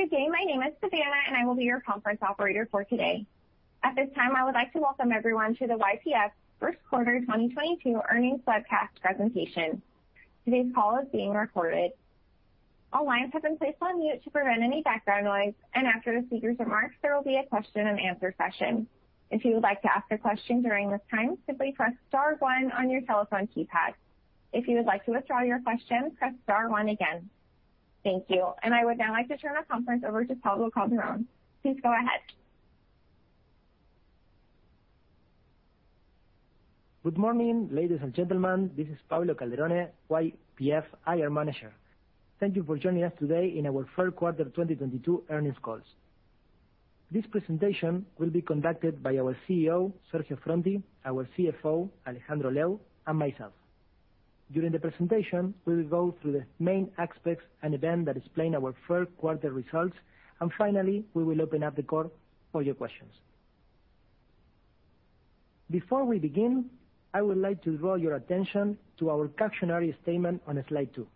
Good day. My name is Savannah, and I will be your conference operator for today. At this time, I would like to welcome everyone to the YPF first quarter 2022 earnings webcast presentation. Today's call is being recorded. All lines have been placed on mute to prevent any background noise, and after the speakers' remarks, there will be a question and answer session. If you would like to ask a question during this time, simply press star one on your telephone keypad. If you would like to withdraw your question, press star one again. Thank you. I would now like to turn the conference over to Pablo Calderon. Please go ahead. Good morning, ladies and gentlemen. This is Pablo Calderon, YPF IR manager. Thank you for joining us today in our third quarter 2022 earnings call. This presentation will be conducted by our CEO, Sergio Affronti, our CFO, Alejandro Lew, and myself. During the presentation, we will go through the main aspects and events that explain our third quarter results, and finally, we will open up the call for your questions. Before we begin, I would like to draw your attention to our cautionary statement on slide two.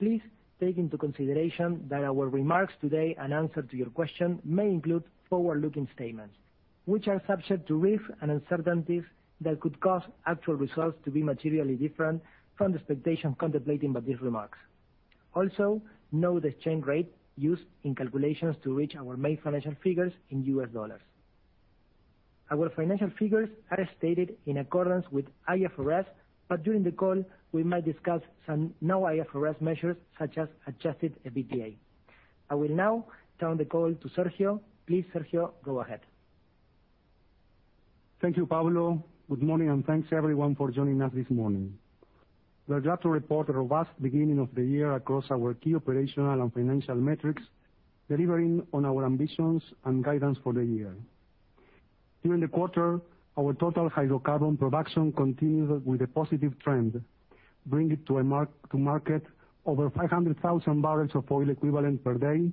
Please take into consideration that our remarks today and answers to your questions may include forward-looking statements, which are subject to risks and uncertainties that could cause actual results to be materially different from the expectations contemplated by these remarks. Also, note the exchange rate used in calculations to reach our main financial figures in US dollars. Our financial figures are stated in accordance with IFRS, but during the call, we might discuss some non-IFRS measures, such as adjusted EBITDA. I will now turn the call to Sergio. Please, Sergio, go ahead. Thank you, Pablo. Good morning, and thanks everyone for joining us this morning. We are glad to report a robust beginning of the year across our key operational and financial metrics, delivering on our ambitions and guidance for the year. During the quarter, our total hydrocarbon production continued with a positive trend, bringing to market over 500,000 bbl of oil equivalent per day,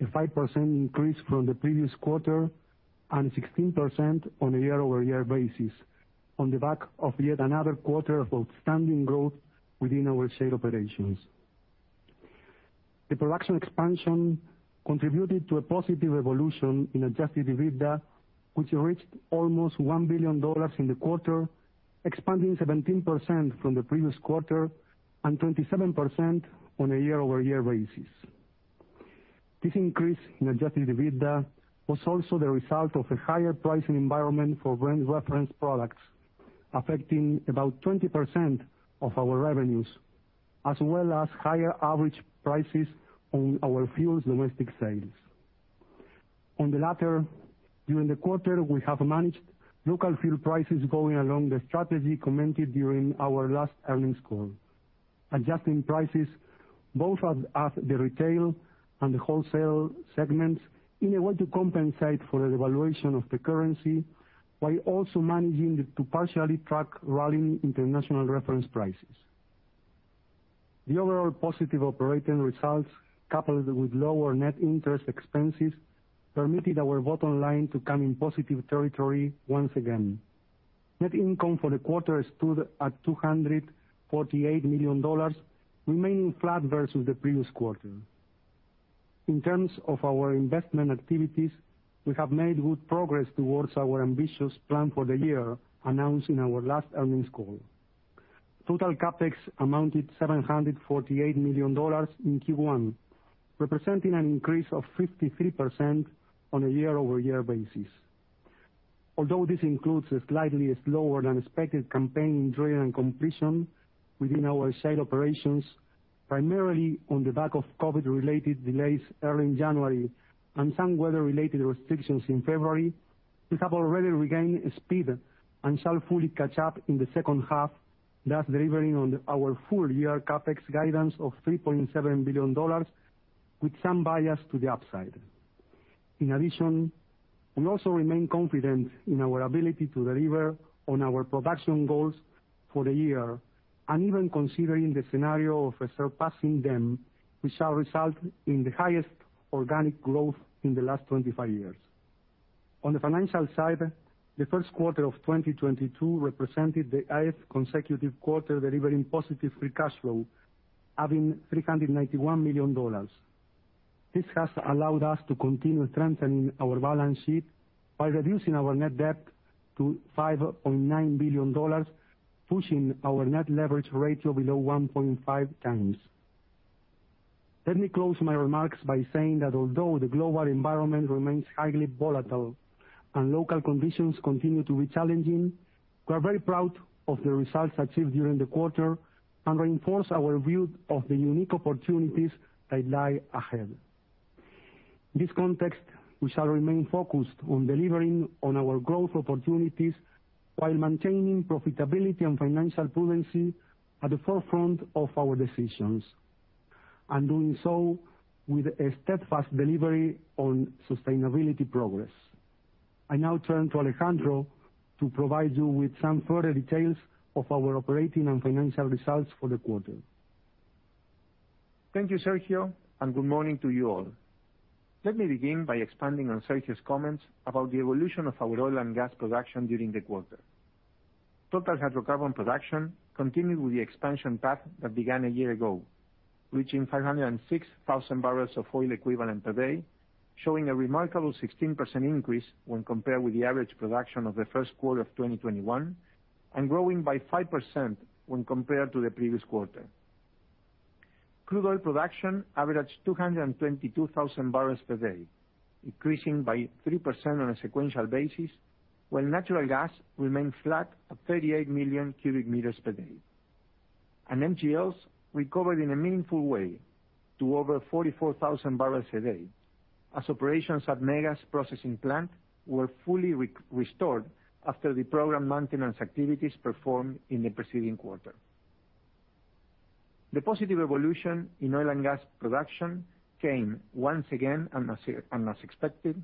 a 5% increase from the previous quarter, and 16% on a year-over-year basis on the back of yet another quarter of outstanding growth within our shale operations. The production expansion contributed to a positive evolution in adjusted EBITDA, which reached almost $1 billion in the quarter, expanding 17% from the previous quarter and 27% on a year-over-year basis. This increase in adjusted EBITDA was also the result of a higher pricing environment for Brent reference products, affecting about 20% of our revenues, as well as higher average prices on our fuels domestic sales. On the latter, during the quarter, we have managed local fuel prices going along the strategy commented during our last earnings call, adjusting prices both at the retail and the wholesale segments in a way to compensate for the devaluation of the currency, while also managing it to partially track rallying international reference prices. The overall positive operating results, coupled with lower net interest expenses, permitted our bottom line to come in positive territory once again. Net income for the quarter stood at $248 million, remaining flat versus the previous quarter. In terms of our investment activities, we have made good progress towards our ambitious plan for the year announced in our last earnings call. Total CapEx amounted to $748 million in Q1, representing an increase of 53% on a year-over-year basis. Although this includes a slightly slower-than-expected campaign drilling and completion within our shale operations, primarily on the back of COVID-related delays early in January and some weather-related restrictions in February, we have already regained speed and shall fully catch up in the second half, thus delivering on our full-year CapEx guidance of $3.7 billion, with some bias to the upside. In addition, we also remain confident in our ability to deliver on our production goals for the year, and even considering the scenario of surpassing them, which shall result in the highest organic growth in the last 25 years. On the financial side, the first quarter of 2022 represented the eighth consecutive quarter delivering positive free cash flow, having $391 million. This has allowed us to continue strengthening our balance sheet by reducing our net debt to $5.9 billion, pushing our net leverage ratio below 1.5x. Let me close my remarks by saying that although the global environment remains highly volatile and local conditions continue to be challenging, we are very proud of the results achieved during the quarter and reinforce our view of the unique opportunities that lie ahead. In this context, we shall remain focused on delivering on our growth opportunities while maintaining profitability and financial prudence at the forefront of our decisions, and doing so with a steadfast delivery on sustainability progress. I now turn to Alejandro to provide you with some further details of our operating and financial results for the quarter. Thank you, Sergio, and good morning to you all. Let me begin by expanding on Sergio's comments about the evolution of our oil and gas production during the quarter. Total hydrocarbon production continued with the expansion path that began a year ago, reaching 506,000 bbl of oil equivalent per day, showing a remarkable 16% increase when compared with the average production of the first quarter of 2021, and growing by 5% when compared to the previous quarter. Crude oil production averaged 222,000 bbl per day, increasing by 3% on a sequential basis, while natural gas remained flat at 38 million cu m per day. NGLs recovered in a meaningful way to over 44,000 bbl a day as operations at Mega's processing plant were fully restored after the planned maintenance activities performed in the preceding quarter. The positive evolution in oil and gas production came once again, as expected,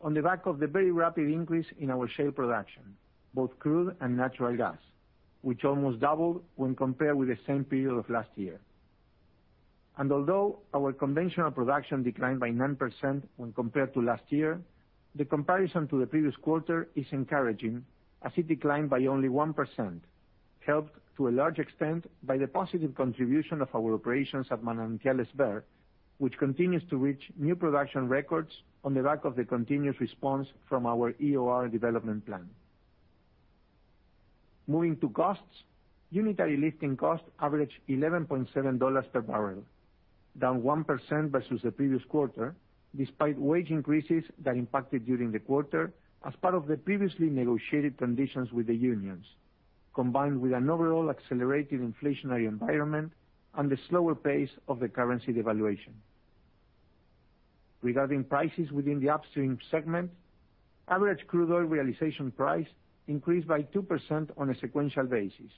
on the back of the very rapid increase in our shale production, both crude and natural gas, which almost doubled when compared with the same period of last year. Although our conventional production declined by 9% when compared to last year, the comparison to the previous quarter is encouraging as it declined by only 1%, helped to a large extent by the positive contribution of our operations at Manantiales Behr, which continues to reach new production records on the back of the continuous response from our EOR development plan. Moving to costs, unitary lifting costs averaged $11.7 per barrel, down 1% versus the previous quarter, despite wage increases that impacted during the quarter as part of the previously negotiated conditions with the unions, combined with an overall accelerated inflationary environment and the slower pace of the currency devaluation. Regarding prices within the upstream segment, average crude oil realization price increased by 2% on a sequential basis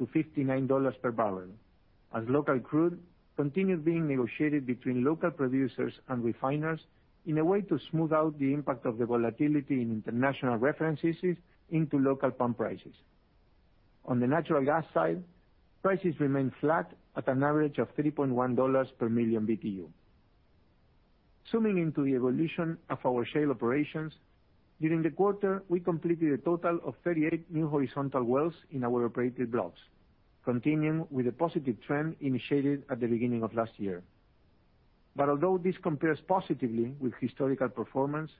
to $59 per barrel, as local crude continued being negotiated between local producers and refiners in a way to smooth out the impact of the volatility in international references into local pump prices. On the natural gas side, prices remained flat at an average of $3.1 per million BTU. Zooming into the evolution of our shale operations, during the quarter, we completed a total of 38 new horizontal wells in our operated blocks, continuing with a positive trend initiated at the beginning of last year. Although this compares positively with historical performance,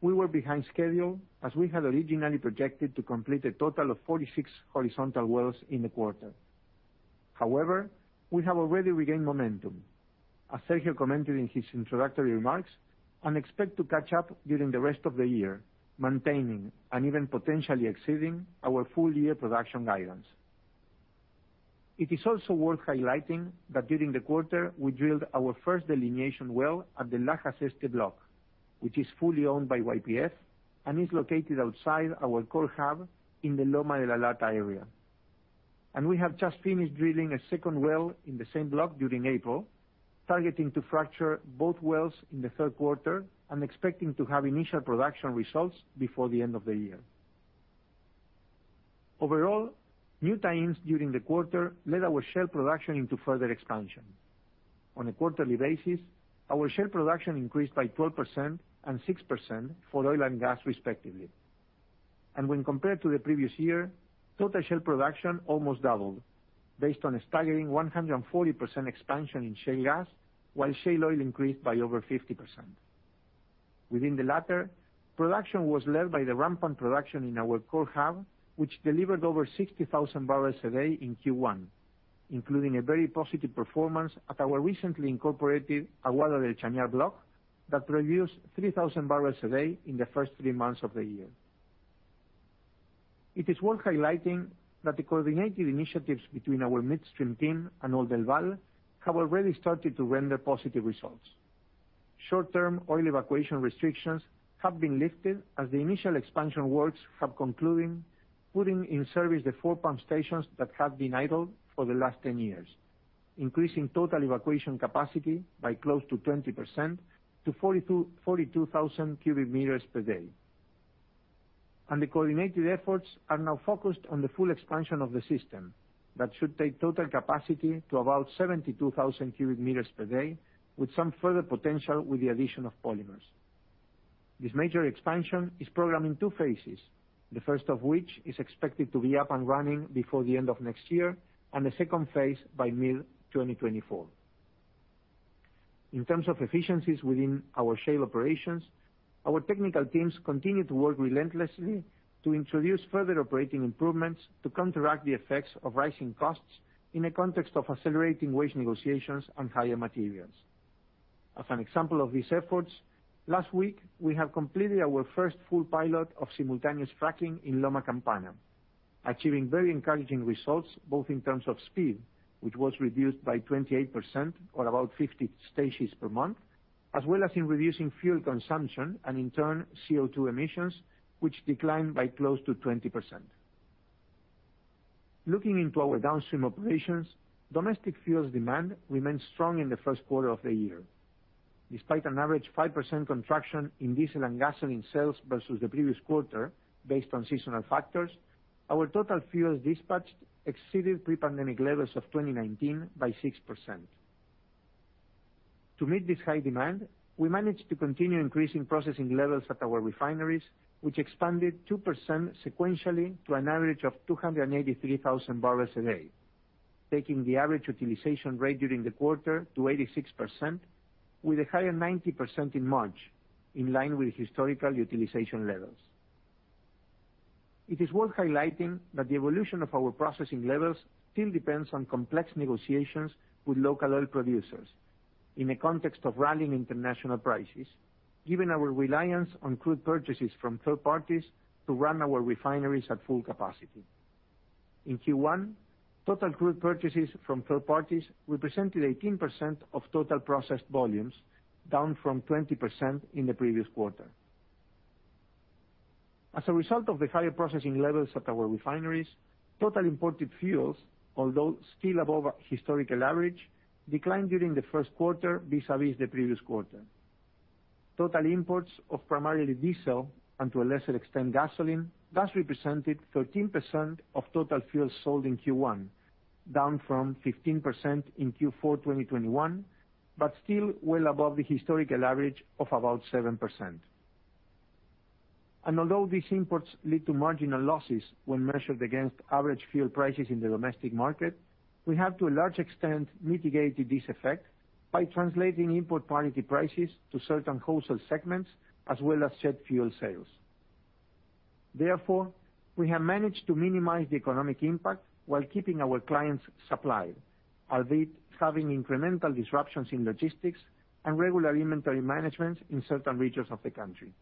we were behind schedule as we had originally projected to complete a total of 46 horizontal wells in the quarter. However, we have already regained momentum, as Sergio commented in his introductory remarks, and expect to catch up during the rest of the year, maintaining and even potentially exceeding our full-year production guidance. It is also worth highlighting that during the quarter, we drilled our first delineation well at the La [Ceste] block, which is fully owned by YPF and is located outside our core hub in the Loma La Lata area. We have just finished drilling a second well in the same block during April, targeting to fracture both wells in the third quarter and expecting to have initial production results before the end of the year. Overall, new times during the quarter led our shale production into further expansion. On a quarterly basis, our shale production increased by 12% and 6% for oil and gas respectively. When compared to the previous year, total shale production almost doubled based on a staggering 140% expansion in shale gas, while shale oil increased by over 50%. Within the latter, production was led by the rampant production in our core hub, which delivered over 60,000 bbl a day in Q1, including a very positive performance at our recently incorporated Aguada de Chañar block that produced 3,000 barrels a day in the first three months of the year. It is worth highlighting that the coordinated initiatives between our midstream team and Oldelval have already started to render positive results. Short-term oil evacuation restrictions have been lifted as the initial expansion works have concluded, putting in service the four pump stations that have been idle for the last 10 years, increasing total evacuation capacity by close to 20% to 42,000 cu m per day. The coordinated efforts are now focused on the full expansion of the system. That should take total capacity to about 72,000 cu m per day, with some further potential with the addition of polymers. This major expansion is programmed in two phases, the first of which is expected to be up and running before the end of next year, and the second phase by mid-2024. In terms of efficiencies within our shale operations, our technical teams continue to work relentlessly to introduce further operating improvements to counteract the effects of rising costs in the context of accelerating wage negotiations and higher materials. As an example of these efforts, last week we have completed our first full pilot of simultaneous fracking in Loma Campana, achieving very encouraging results, both in terms of speed, which was reduced by 28% or about 50 stages per month, as well as in reducing fuel consumption and in turn, CO2 emissions, which declined by close to 20%. Looking into our downstream operations, domestic fuels demand remained strong in the first quarter of the year. Despite an average 5% contraction in diesel and gasoline sales versus the previous quarter based on seasonal factors, our total fuels dispatched exceeded pre-pandemic levels of 2019 by 6%. To meet this high demand, we managed to continue increasing processing levels at our refineries, which expanded 2% sequentially to an average of 283,000 bbl a day, taking the average utilization rate during the quarter to 86% with a higher 90% in March, in line with historical utilization levels. It is worth highlighting that the evolution of our processing levels still depends on complex negotiations with local oil producers in the context of rallying international prices, given our reliance on crude purchases from third parties to run our refineries at full capacity. In Q1, total crude purchases from third parties represented 18% of total processed volumes, down from 20% in the previous quarter. As a result of the higher processing levels at our refineries, total imported fuels, although still above our historical average, declined during the first quarter vis-à-vis the previous quarter. Total imports of primarily diesel, and to a lesser extent, gasoline, thus represented 13% of total fuel sold in Q1, down from 15% in Q4 2021, but still well above the historical average of about 7%. Although these imports lead to marginal losses when measured against average fuel prices in the domestic market, we have to a large extent mitigated this effect by translating import parity prices to certain wholesale segments as well as shed fuel sales. Therefore, we have managed to minimize the economic impact while keeping our clients supplied, albeit having incremental disruptions in logistics and regular inventory management in certain regions of the country.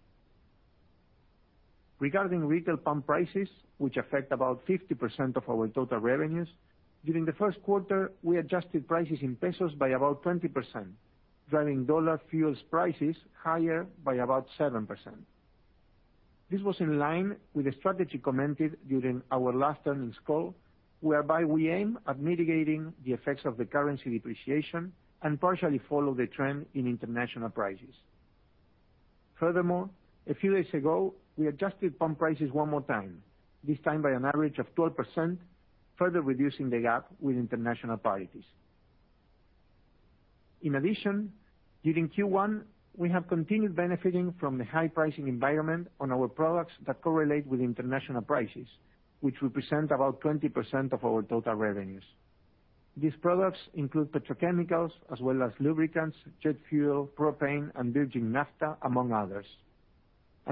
Regarding retail pump prices, which affect about 50% of our total revenues, during the first quarter, we adjusted prices in pesos by about 20%, driving dollar fuel prices higher by about 7%. This was in line with the strategy commented during our last earnings call, whereby we aim at mitigating the effects of the currency depreciation and partially follow the trend in international prices. Furthermore, a few days ago, we adjusted pump prices one more time, this time by an average of 12%, further reducing the gap with international parities. In addition, during Q1, we have continued benefiting from the high pricing environment on our products that correlate with international prices, which represent about 20% of our total revenues. These products include petrochemicals as well as lubricants, jet fuel, propane, and virgin naphtha, among others.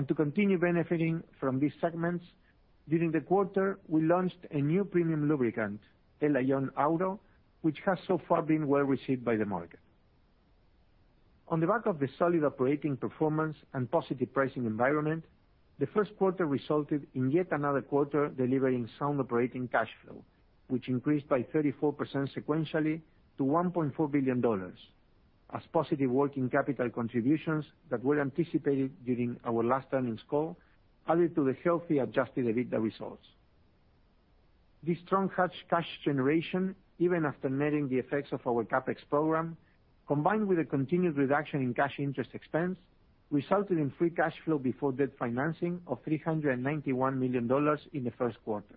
To continue benefiting from these segments, during the quarter, we launched a new premium lubricant, Elaion Auro, which has so far been well received by the market. On the back of the solid operating performance and positive pricing environment, the first quarter resulted in yet another quarter delivering sound operating cash flow, which increased by 34% sequentially to $1.4 billion as positive working capital contributions that were anticipated during our last earnings call added to the healthy adjusted EBITDA results. This strong cash generation, even after netting the effects of our CapEx program, combined with a continued reduction in cash interest expense, resulted in free cash flow before debt financing of $391 million in the first quarter.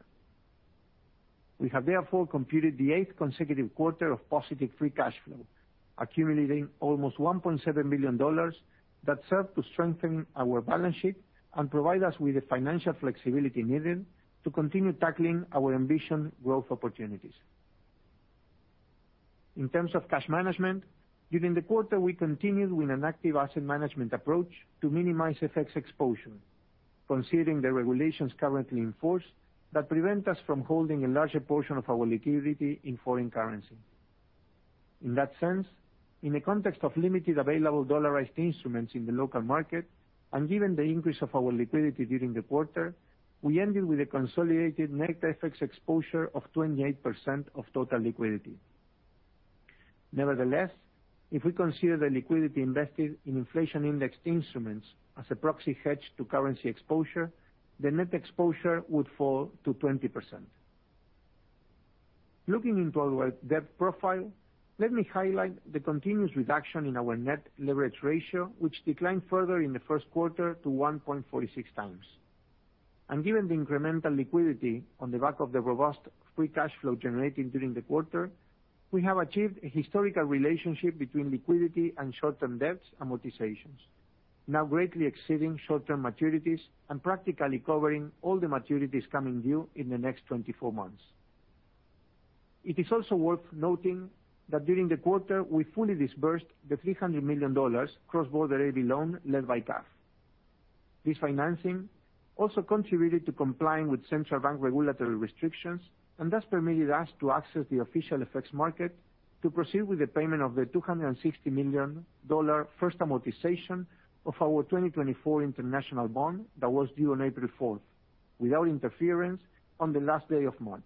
We have therefore completed the eighth consecutive quarter of positive free cash flow, accumulating almost $1.7 billion that serve to strengthen our balance sheet and provide us with the financial flexibility needed to continue tackling our ambitious growth opportunities. In terms of cash management, during the quarter, we continued with an active asset management approach to minimize FX exposure, considering the regulations currently in force that prevent us from holding a larger portion of our liquidity in foreign currency. In that sense, in the context of limited available dollarized instruments in the local market, and given the increase of our liquidity during the quarter, we ended with a consolidated net FX exposure of 28% of total liquidity. Nevertheless, if we consider the liquidity invested in inflation-indexed instruments as a proxy hedge to currency exposure, the net exposure would fall to 20%. Looking into our debt profile, let me highlight the continuous reduction in our net leverage ratio, which declined further in the first quarter to 1.46x. Given the incremental liquidity on the back of the robust free cash flow generated during the quarter, we have achieved a historical relationship between liquidity and short-term debts amortizations, now greatly exceeding short-term maturities and practically covering all the maturities coming due in the next 24 months. It is also worth noting that during the quarter, we fully disbursed the $300 million cross-border A/B loan led by CAF. This financing also contributed to complying with central bank regulatory restrictions and thus permitted us to access the official effects market to proceed with the payment of the $260 million first amortization of our 2024 international bond that was due on April 4, without interference on the last day of March.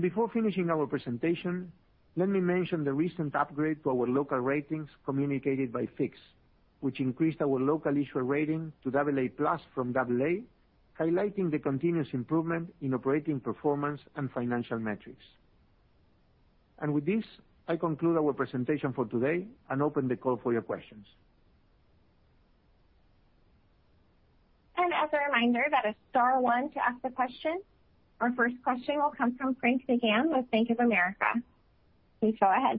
Before finishing our presentation, let me mention the recent upgrade to our local ratings communicated by FIX, which increased our local issuer rating to AA+ from AA, highlighting the continuous improvement in operating performance and financial metrics. With this, I conclude our presentation for today and open the call for your questions. As a reminder that is star one to ask the question. Our first question will come from Frank McGann with Bank of America. Please go ahead.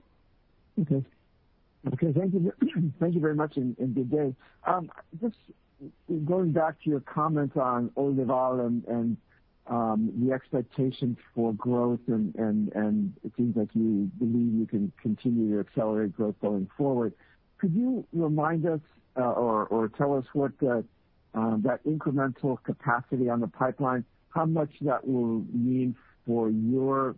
Okay. Thank you very much and good day. Just going back to your comments on Oldelval and the expectation for growth and it seems like you believe you can continue to accelerate growth going forward. Could you remind us or tell us what that incremental capacity on the pipeline, how much that will mean for your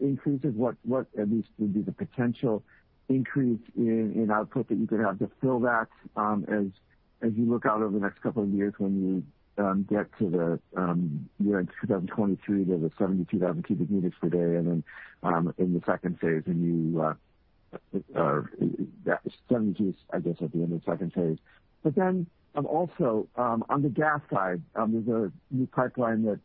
increases? What at least would be the potential increase in output that you could have to fill that, as you look out over the next couple of years when you get to the year-end 2023, there's a 72,000 cu m per day and then, in the second phase when you that 72,000 is, I guess, at the end of second phase. Also, on the gas side, there's a new pipeline that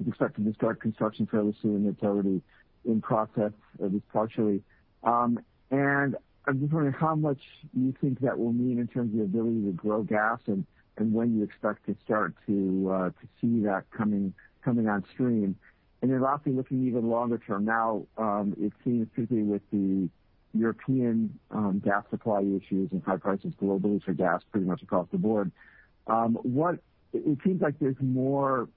is expected to start construction fairly soon. It's already in process, at least partially. I'm just wondering how much you think that will mean in terms of your ability to grow gas and when you expect to start to see that coming on stream. Lastly, looking even longer term now, it seems particularly with the European gas supply issues and high prices globally for gas pretty much across the board. It seems like there's more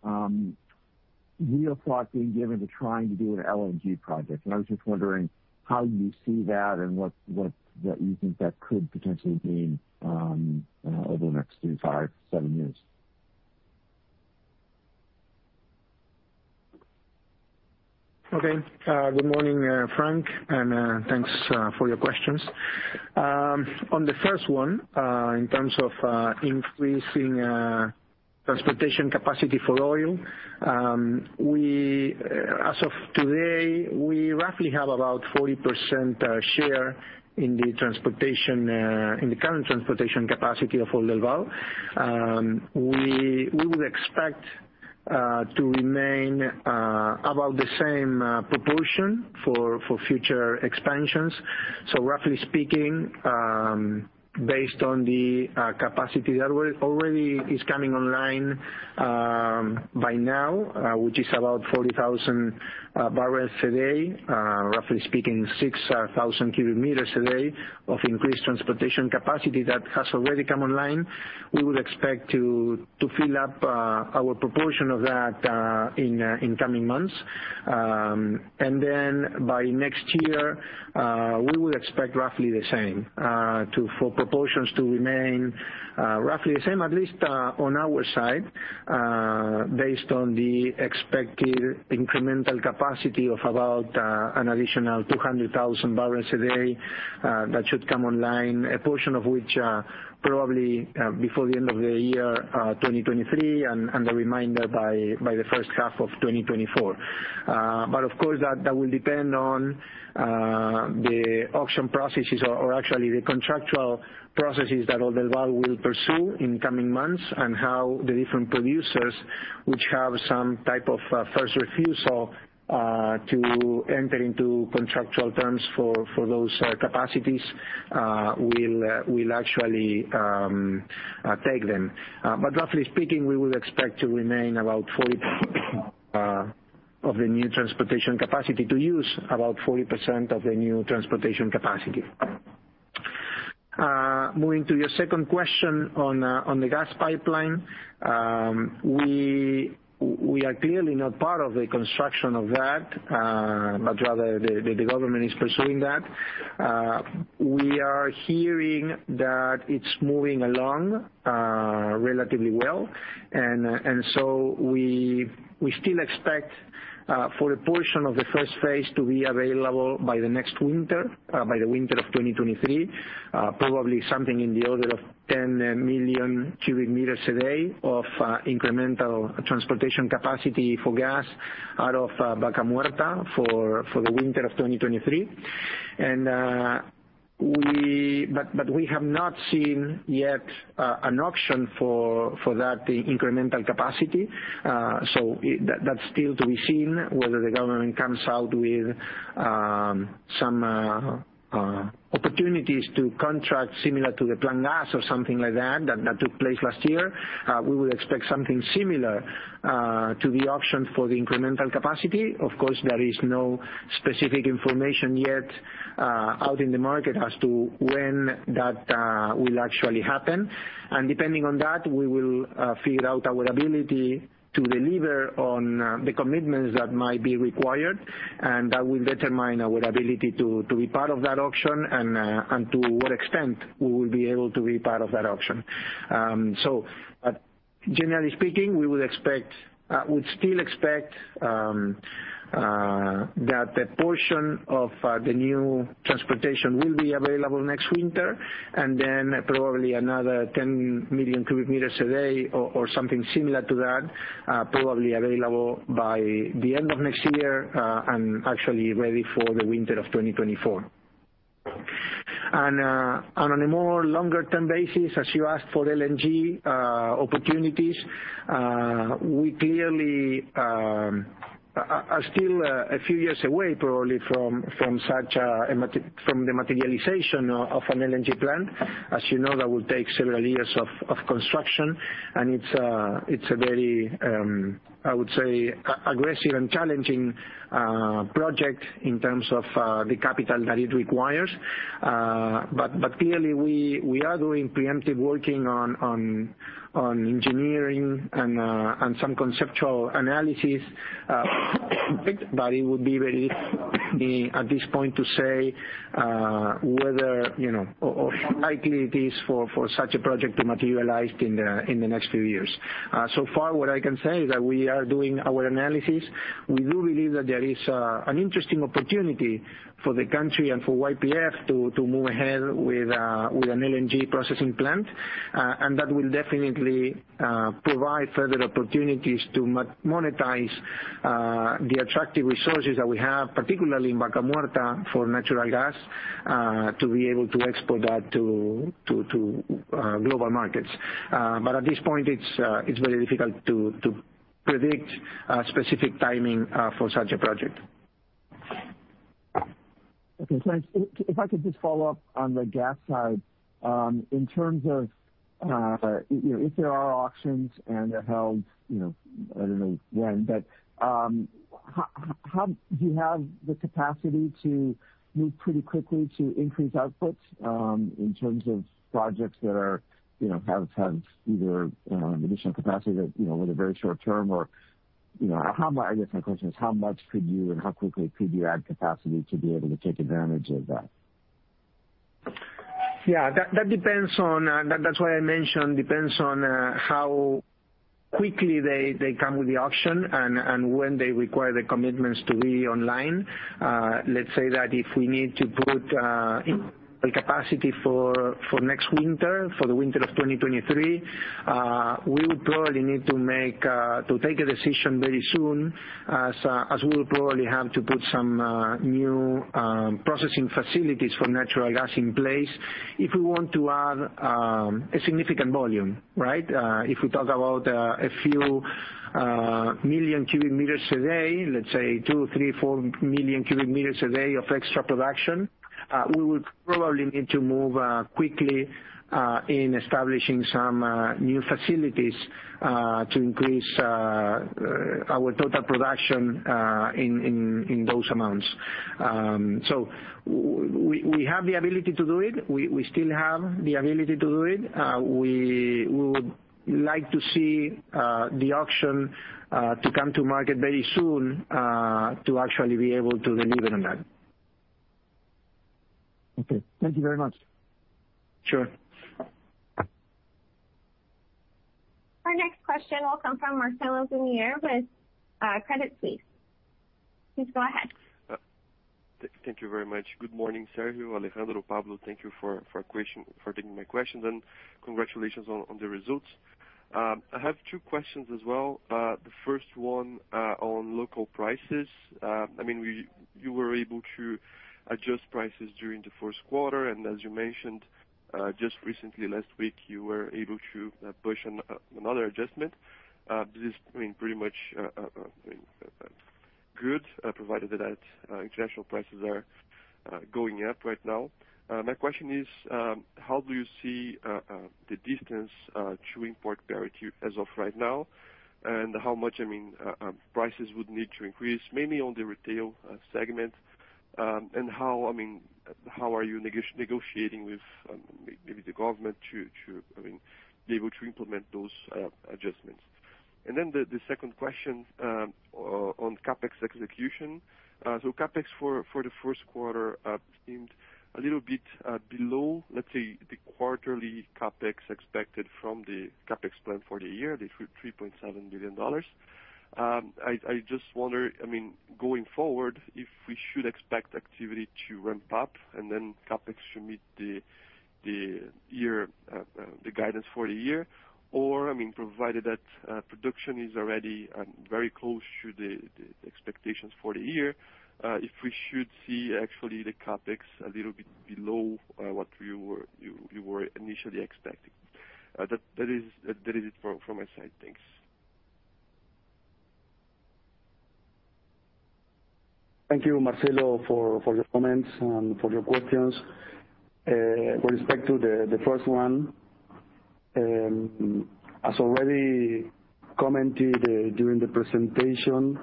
real thought being given to trying to do an LNG project. I was just wondering how you see that and what you think that could potentially mean over the next three, five, seven years. Okay. Good morning, Frank, and thanks for your questions. On the first one, in terms of increasing transportation capacity for oil, we as of today roughly have about 40% share in the transportation, in the current transportation capacity of Oldelval. We would expect to remain about the same proportion for future expansions. Roughly speaking, based on the capacity that already is coming online by now, which is about 40,000 bbl a day, roughly speaking, 6,000 cu m a day of increased transportation capacity that has already come online. We would expect to fill up our proportion of that in coming months. By next year, we would expect roughly the same for proportions to remain roughly the same, at least on our side, based on the expected incremental capacity of about an additional 200,000 bbl a day that should come online, a portion of which probably before the end of the year 2023, and the remainder by the first half of 2024. Of course, that will depend on the auction processes or actually the contractual processes that Oldelval will pursue in coming months and how the different producers which have some type of first refusal to enter into contractual terms for those capacities will actually take them. Roughly speaking, we would expect to remain about of the new transportation capacity to use, about 40% of the new transportation capacity. Moving to your second question on the gas pipeline. We are clearly not part of the construction of that, but rather the government is pursuing that. We are hearing that it's moving along relatively well. We still expect for a portion of the first phase to be available by the next winter, by the winter of 2023, probably something in the order of 10 million cu m a day of incremental transportation capacity for gas out of Vaca Muerta for the winter of 2023. We have not seen yet an auction for that incremental capacity. That's still to be seen whether the government comes out with some opportunities to contract similar to the Plan Gas.Ar or something like that that took place last year. We would expect something similar to the auction for the incremental capacity. Of course, there is no specific information yet out in the market as to when that will actually happen. Depending on that, we will figure out our ability to deliver on the commitments that might be required, and that will determine our ability to be part of that auction and to what extent we will be able to be part of that auction. Generally speaking, we would expect, we still expect that a portion of the new transportation will be available next winter, and then probably another 10 million cu m a day or something similar to that, probably available by the end of next year, and actually ready for the winter of 2024. On a more longer term basis, as you ask for LNG opportunities, we clearly are still a few years away probably from the materialization of an LNG plant. As you know, that will take several years of construction, and it's a very, I would say, aggressive and challenging project in terms of the capital that it requires. Clearly we are doing preemptive working on engineering and some conceptual analysis. It would be very early at this point to say whether you know or how likely it is for such a project to materialize in the next few years. So far what I can say is that we are doing our analysis. We do believe that there is an interesting opportunity for the country and for YPF to move ahead with an LNG processing plant, and that will definitely provide further opportunities to monetize the attractive resources that we have, particularly in Vaca Muerta for natural gas, to be able to export that to global markets. At this point, it's very difficult to predict specific timing for such a project. Okay, thanks. If I could just follow up on the gas side, in terms of, you know, if there are auctions and they're held, you know, I don't know when, but, how do you have the capacity to move pretty quickly to increase outputs, in terms of projects that are, you know, have either additional capacity that, you know, with a very short term or, you know, I guess my question is, how much could you, and how quickly could you add capacity to be able to take advantage of that? That depends on how quickly they come with the auction and when they require the commitments to be online. Let's say that if we need to put capacity for next winter, for the winter of 2023, we would probably need to take a decision very soon as we would probably have to put some new processing facilities for natural gas in place if we want to add a significant volume, right? If we talk about a few million cubic meters a day, let's say 2, 3, 4 million cu m a day of extra production, we would probably need to move quickly in establishing some new facilities to increase our total production in those amounts. We have the ability to do it. We still have the ability to do it. We would like to see the auction to come to market very soon to actually be able to deliver on that. Okay. Thank you very much. Sure. Our next question will come from Marcelo Gumiero with Credit Suisse. Please go ahead. Thank you very much. Good morning, Sergio, Alejandro, Pablo. Thank you for taking my questions, and congratulations on the results. I have two questions as well. The first one on local prices. I mean, you were able to adjust prices during the first quarter, and as you mentioned, just recently last week, you were able to push another adjustment. This is, I mean, pretty much good, provided that international prices are going up right now. My question is, how do you see the distance to import parity as of right now, and how much, I mean, prices would need to increase, mainly on the retail segment? How are you negotiating with maybe the government to be able to implement those adjustments? The second question on CapEx execution. CapEx for the first quarter up seemed a little bit below, let's say, the quarterly CapEx expected from the CapEx plan for the year, the $3.7 billion. I just wonder, I mean, going forward, if we should expect activity to ramp up and then CapEx should meet the guidance for the year, or, I mean, provided that production is already very close to the expectations for the year, if we should see actually the CapEx a little bit below what you were initially expecting. That is it from my side. Thanks. Thank you, Marcelo, for your comments and for your questions. With respect to the first one, as already commented during the presentation,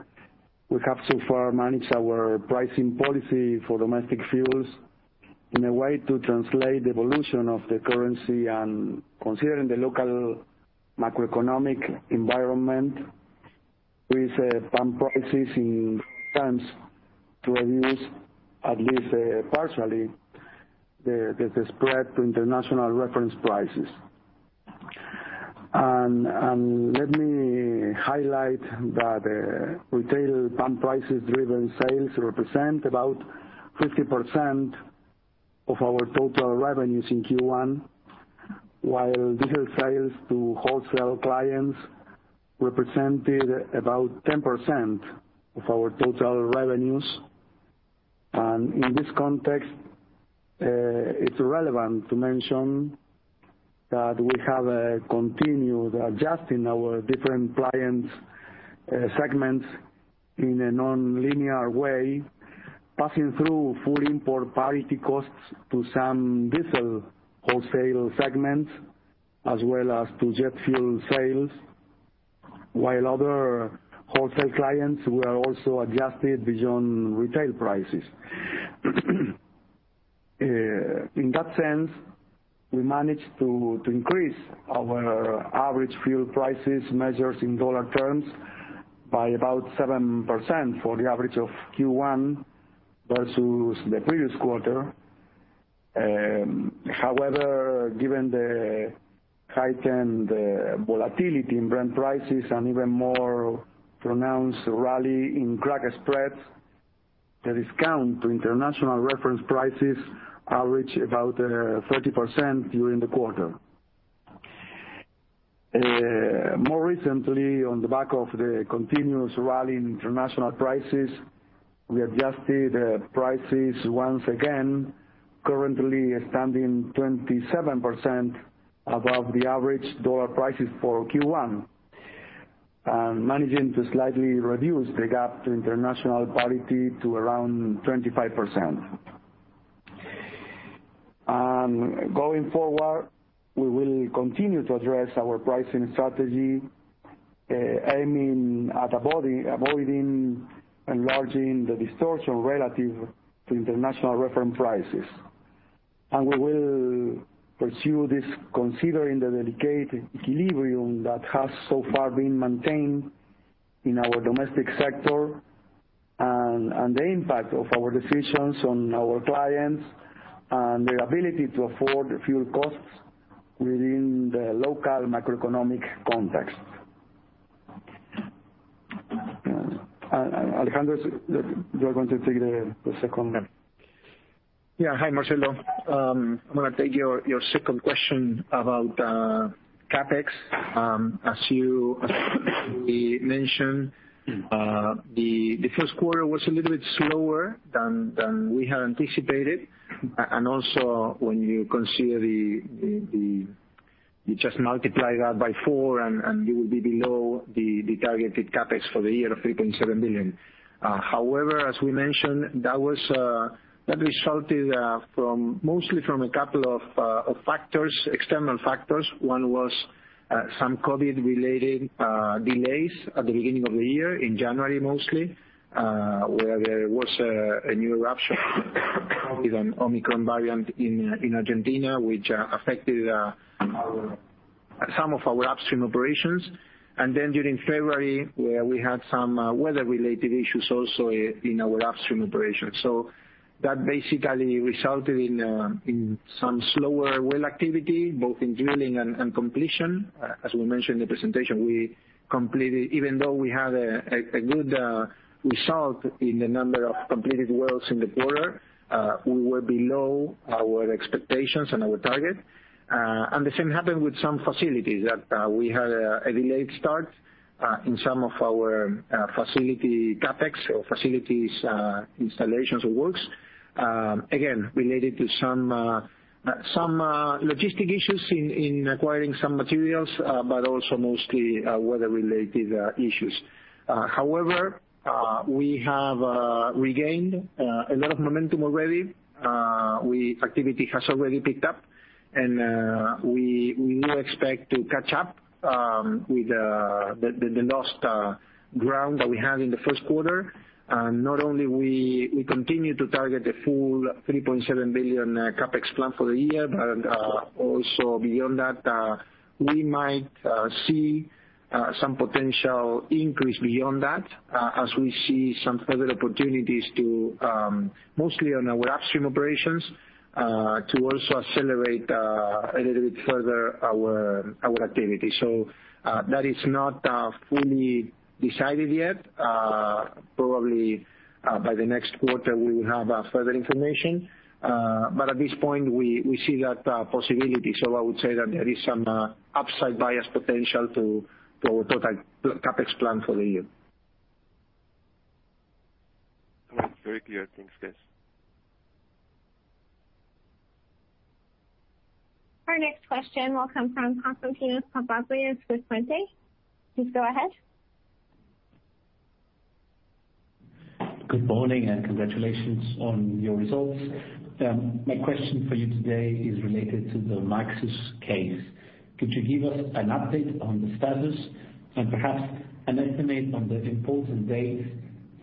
we have so far managed our pricing policy for domestic fuels in a way to translate the evolution of the currency and considering the local macroeconomic environment with pump prices intended to reduce at least partially the spread to international reference prices. Let me highlight that retail pump prices driven sales represent about 50% of our total revenues in Q1, while diesel sales to wholesale clients represented about 10% of our total revenues. In this context, it's relevant to mention that we have continued adjusting our different client segments in a non-linear way, passing through full import parity costs to some diesel wholesale segments as well as to jet fuel sales, while other wholesale clients were also adjusted beyond retail prices. In that sense, we managed to increase our average fuel price measures in dollar terms by about 7% for the average of Q1 versus the previous quarter. However, given the heightened volatility in Brent prices and even more pronounced rally in crack spreads, the discount to international reference prices averaged about 30% during the quarter. More recently, on the back of the continuous rally in international prices, we adjusted prices once again, currently standing 27% above the average dollar prices for Q1, and managing to slightly reduce the gap to international parity to around 25%. Going forward, we will continue to address our pricing strategy, aiming at avoiding enlarging the distortion relative to international reference prices. We will pursue this, considering the delicate equilibrium that has so far been maintained in our domestic sector and the impact of our decisions on our clients and their ability to afford fuel costs within the local macroeconomic context. Alejandro, you are going to take the second one. Yeah. Hi, Marcelo. I'm gonna take your second question about CapEx. As we mentioned, the first quarter was a little bit slower than we had anticipated. Also when you consider— the you just multiply that by four and you will be below the targeted CapEx for the year of $3.7 billion. However, as we mentioned, that resulted from mostly a couple of external factors. One was some COVID-related delays at the beginning of the year, in January mostly, where there was a new outbreak with an Omicron variant in Argentina, which affected some of our upstream operations. Then during February, where we had some weather-related issues also in our upstream operations. That basically resulted in some slower well activity, both in drilling and completion. As we mentioned in the presentation, even though we had a good result in the number of completed wells in the quarter, we were below our expectations and our target. The same happened with some facilities that we had a delayed start in some of our facility CapEx or facilities installations or works, again, related to some logistic issues in acquiring some materials, but also mostly weather-related issues. However, we have regained a lot of momentum already. Activity has already picked up, and we now expect to catch up with the lost ground that we had in the first quarter. Not only we continue to target the full $3.7 billion CapEx plan for the year, but also beyond that, we might see some potential increase beyond that as we see some further opportunities to, mostly on our upstream operations, to also accelerate a little bit further our activity. That is not fully decided yet. Probably, by the next quarter we will have further information. At this point we see that possibility. I would say that there is some upside bias potential to our total CapEx plan for the year. That's very clear. Thanks, guys. Our next question will come from Konstantinos Papalias with Puente. Please go ahead. Good morning, and congratulations on your results. My question for you today is related to the Maxus case. Could you give us an update on the status and perhaps an estimate on the important dates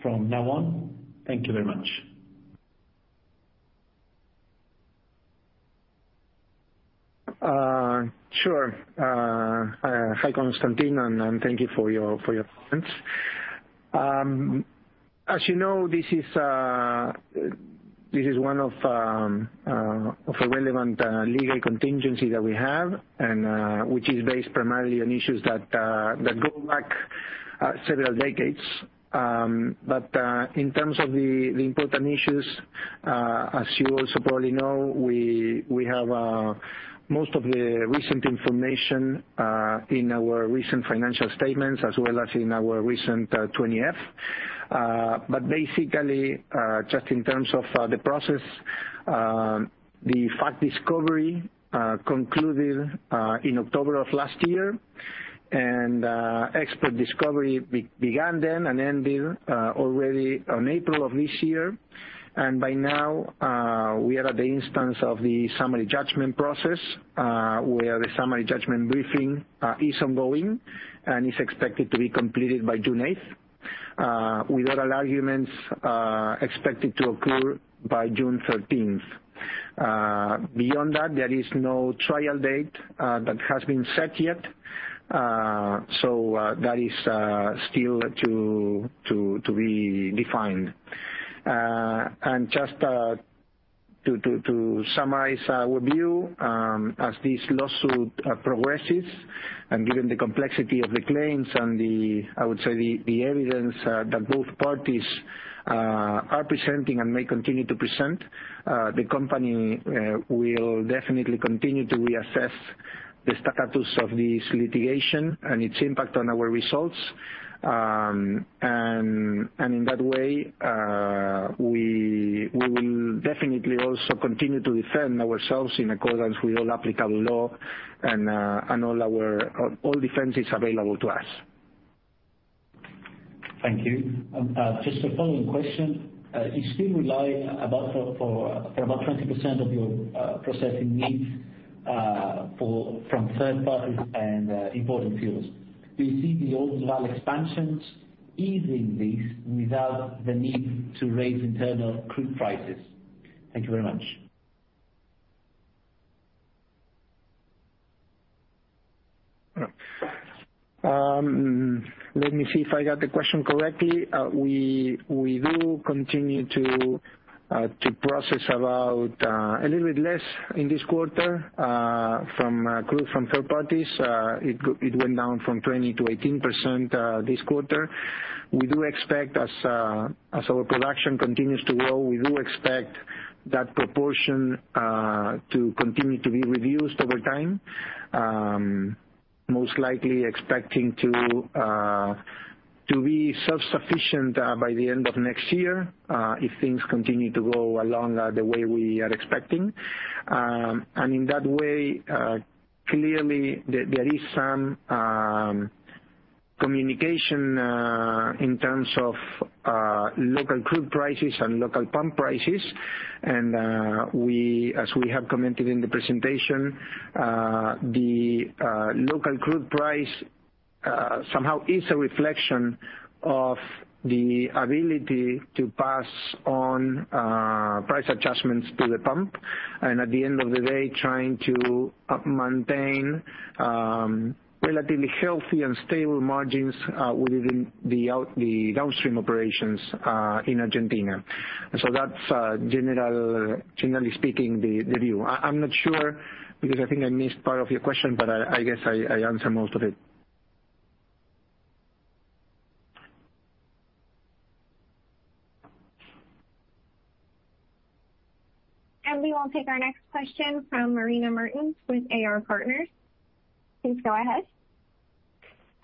from now on? Thank you very much. Sure. Hi, Konstantinos, and thank you for your comments. As you know, this is one of the relevant legal contingency that we have and which is based primarily on issues that go back several decades. In terms of the important issues. As you also probably know, we have most of the recent information in our recent financial statements as well as in our recent 20-F. Basically, just in terms of the process, the fact discovery concluded in October of last year, and expert discovery began then and ended already on April of this year. By now, we are at the instance of the summary judgment process, where the summary judgment briefing is ongoing and is expected to be completed by June 8th. With oral arguments expected to occur by June 13th. Beyond that, there is no trial date that has been set yet. That is still to be defined. Just to summarize our view, as this lawsuit progresses and given the complexity of the claims and the, I would say, the evidence that both parties are presenting and may continue to present, the company will definitely continue to reassess the status of this litigation and its impact on our results. In that way, we will definitely also continue to defend ourselves in accordance with all applicable law and all our defenses available to us. Thank you. Just a follow-up question. You still rely on about 20% of your processing needs from third parties and imported fuels. Do you see the Oldelval expansions easing this without the need to raise internal crude prices? Thank you very much. Let me see if I got the question correctly. We do continue to process about a little bit less in this quarter from crude from third parties. It went down from 20% to 18% this quarter. We do expect as our production continues to grow, we do expect that proportion to continue to be reduced over time. Most likely expecting to be self-sufficient by the end of next year if things continue to go along the way we are expecting. In that way, clearly there is some communication in terms of local crude prices and local pump prices. We, as we have commented in the presentation, the local crude price somehow is a reflection of the ability to pass on price adjustments to the pump and at the end of the day, trying to maintain relatively healthy and stable margins within the downstream operations in Argentina. That's generally speaking the view. I'm not sure because I think I missed part of your question, but I guess I answered most of it. We will take our next question from Marina Mertens with AR Partners. Please go ahead.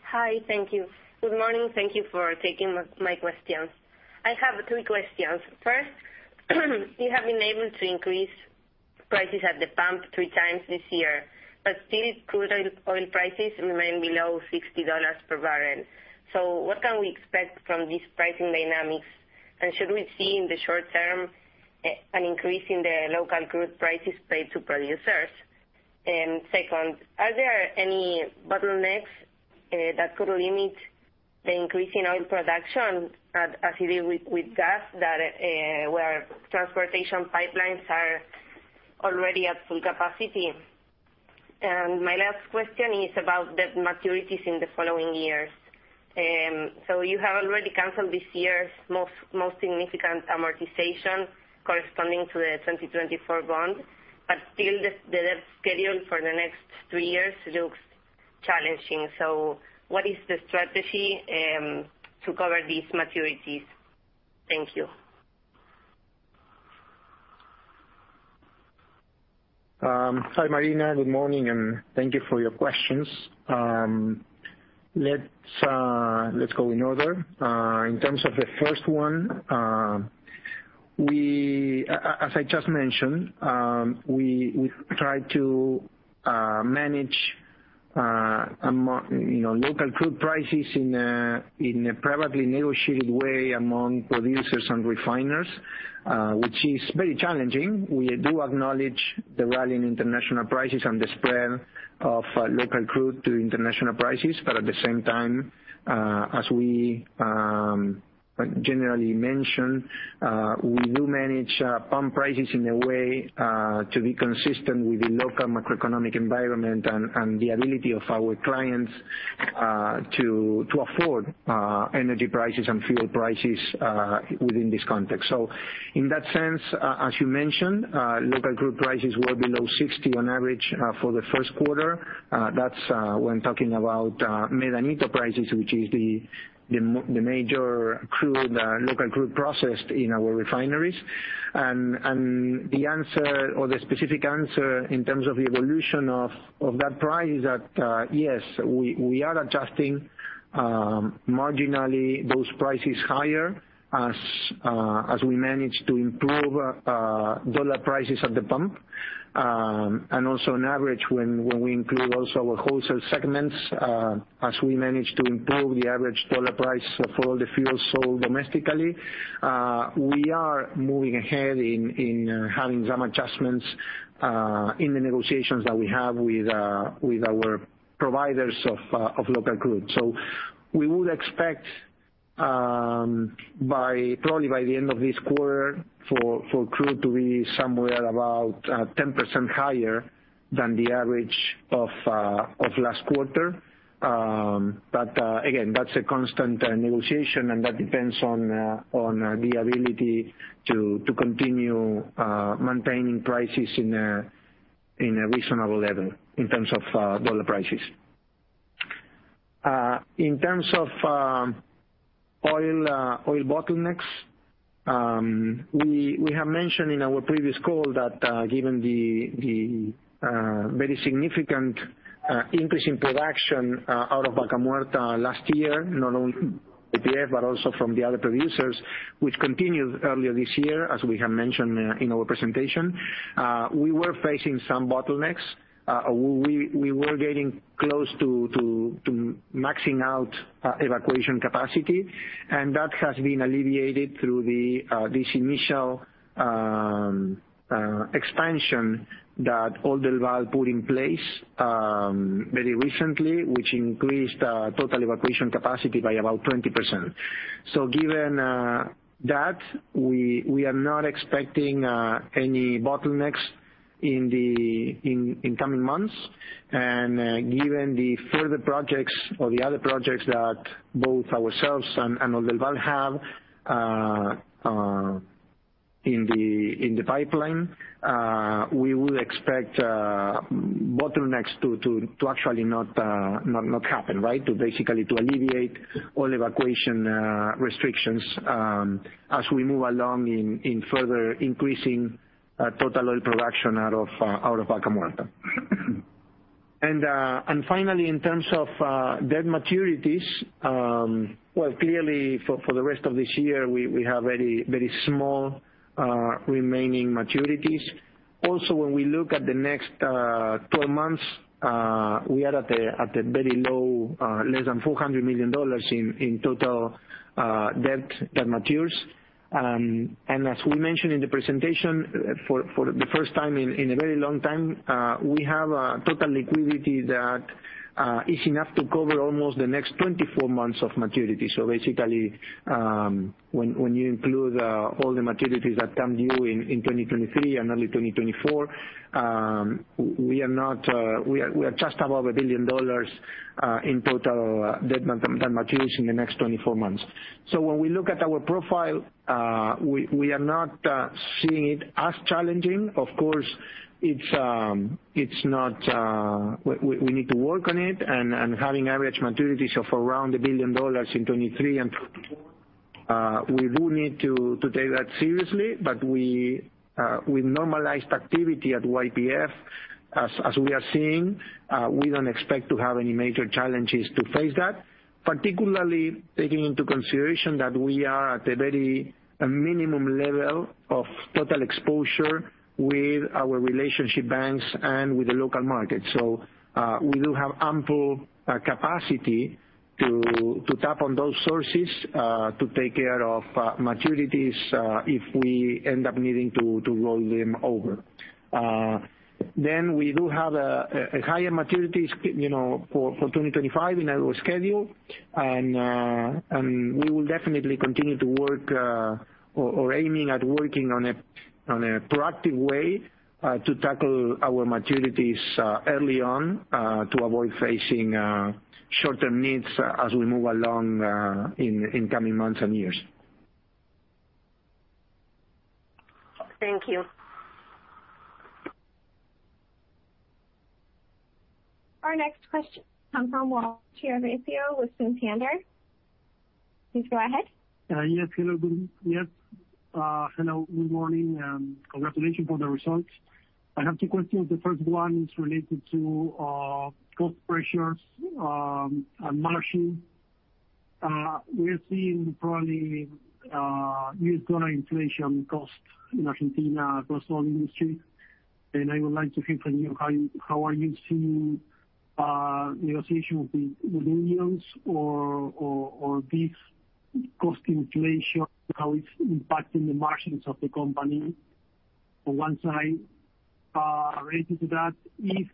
Hi. Thank you. Good morning. Thank you for taking my questions. I have two questions. First, you have been able to increase prices at the pump three times this year, but still crude oil prices remain below $60 per barrel. What can we expect from these pricing dynamics? Should we see in the short term an increase in the local crude prices paid to producers? Second, are there any bottlenecks that could limit the increase in oil production as you did with gas where transportation pipelines are already at full capacity? My last question is about debt maturities in the following years. You have already canceled this year's most significant amortization corresponding to the 2024 bond, but still the debt schedule for the next three years looks challenging. What is the strategy to cover these maturities? Thank you. Hi, Marina. Good morning, and thank you for your questions. Let's go in order. In terms of the first one, as I just mentioned, we try to manage you know, local crude prices in a privately negotiated way among producers and refiners, which is very challenging. We do acknowledge the rally in international prices and the spread of local crude to international prices. At the same time, as we like generally mention, we do manage pump prices in a way to be consistent with the local macroeconomic environment and the ability of our clients to afford energy prices and fuel prices within this context. In that sense, as you mentioned, local crude prices were below $60 on average for the first quarter. That's when talking about Medanito prices, which is the major local crude processed in our refineries. The answer or the specific answer in terms of the evolution of that price is that yes, we are adjusting marginally those prices higher as we manage to improve dollar prices at the pump. Also on average when we include also our wholesale segments, as we manage to improve the average dollar price of all the fuels sold domestically, we are moving ahead in having some adjustments in the negotiations that we have with our providers of local crude. We would expect, probably by the end of this quarter for crude to be somewhere about 10% higher than the average of last quarter. But again, that's a constant negotiation, and that depends on the ability to continue maintaining prices in a reasonable level in terms of dollar prices. In terms of oil bottlenecks, we have mentioned in our previous call that given the very significant increase in production out of Vaca Muerta last year, not only YPF, but also from the other producers, which continued earlier this year, as we have mentioned in our presentation, we were facing some bottlenecks. We were getting close to maxing out evacuation capacity, and that has been alleviated through this initial expansion that Oldelval put in place very recently, which increased total evacuation capacity by about 20%. Given that, we are not expecting any bottlenecks in the coming months. Given the further projects or the other projects that both ourselves and Oldelval have in the pipeline, we would expect bottlenecks to actually not happen, right? To basically alleviate all evacuation restrictions as we move along in further increasing total oil production out of Vaca Muerta. Finally, in terms of debt maturities, well clearly for the rest of this year, we have very small remaining maturities. Also, when we look at the next 12 months, we are at a very low less than $400 million in total debt that matures. As we mentioned in the presentation, for the first time in a very long time, we have a total liquidity that is enough to cover almost the next 24 months of maturity. Basically, when you include all the maturities that come due in 2023 and early 2024, we are just above $1 billion in total debt that matures in the next 24 months. When we look at our profile, we are not seeing it as challenging. We need to work on it and having average maturities of around $1 billion in 2023 and [2024], we do need to take that seriously. With normalized activity at YPF, as we are seeing, we don't expect to have any major challenges to face that, particularly taking into consideration that we are at a very minimum level of total exposure with our relationship banks and with the local market. We do have ample capacity to tap on those sources to take care of maturities if we end up needing to roll them over. We do have higher maturities, you know, for 2025 in our schedule. We will definitely continue to work or aiming at working on it on a proactive way to tackle our maturities early on to avoid facing short-term needs as we move along in coming months and years. Thank you. Our next question comes from Walter Chiarvesio with Santander. Please go ahead. Hello. Good morning, and congratulations for the results. I have two questions. The first one is related to cost pressures and margin. We are seeing probably US dollar inflation cost in Argentina across all industry. I would like to hear from you how are you seeing negotiation with unions or this cost inflation, how it's impacting the margins of the company on one side. Related to that, if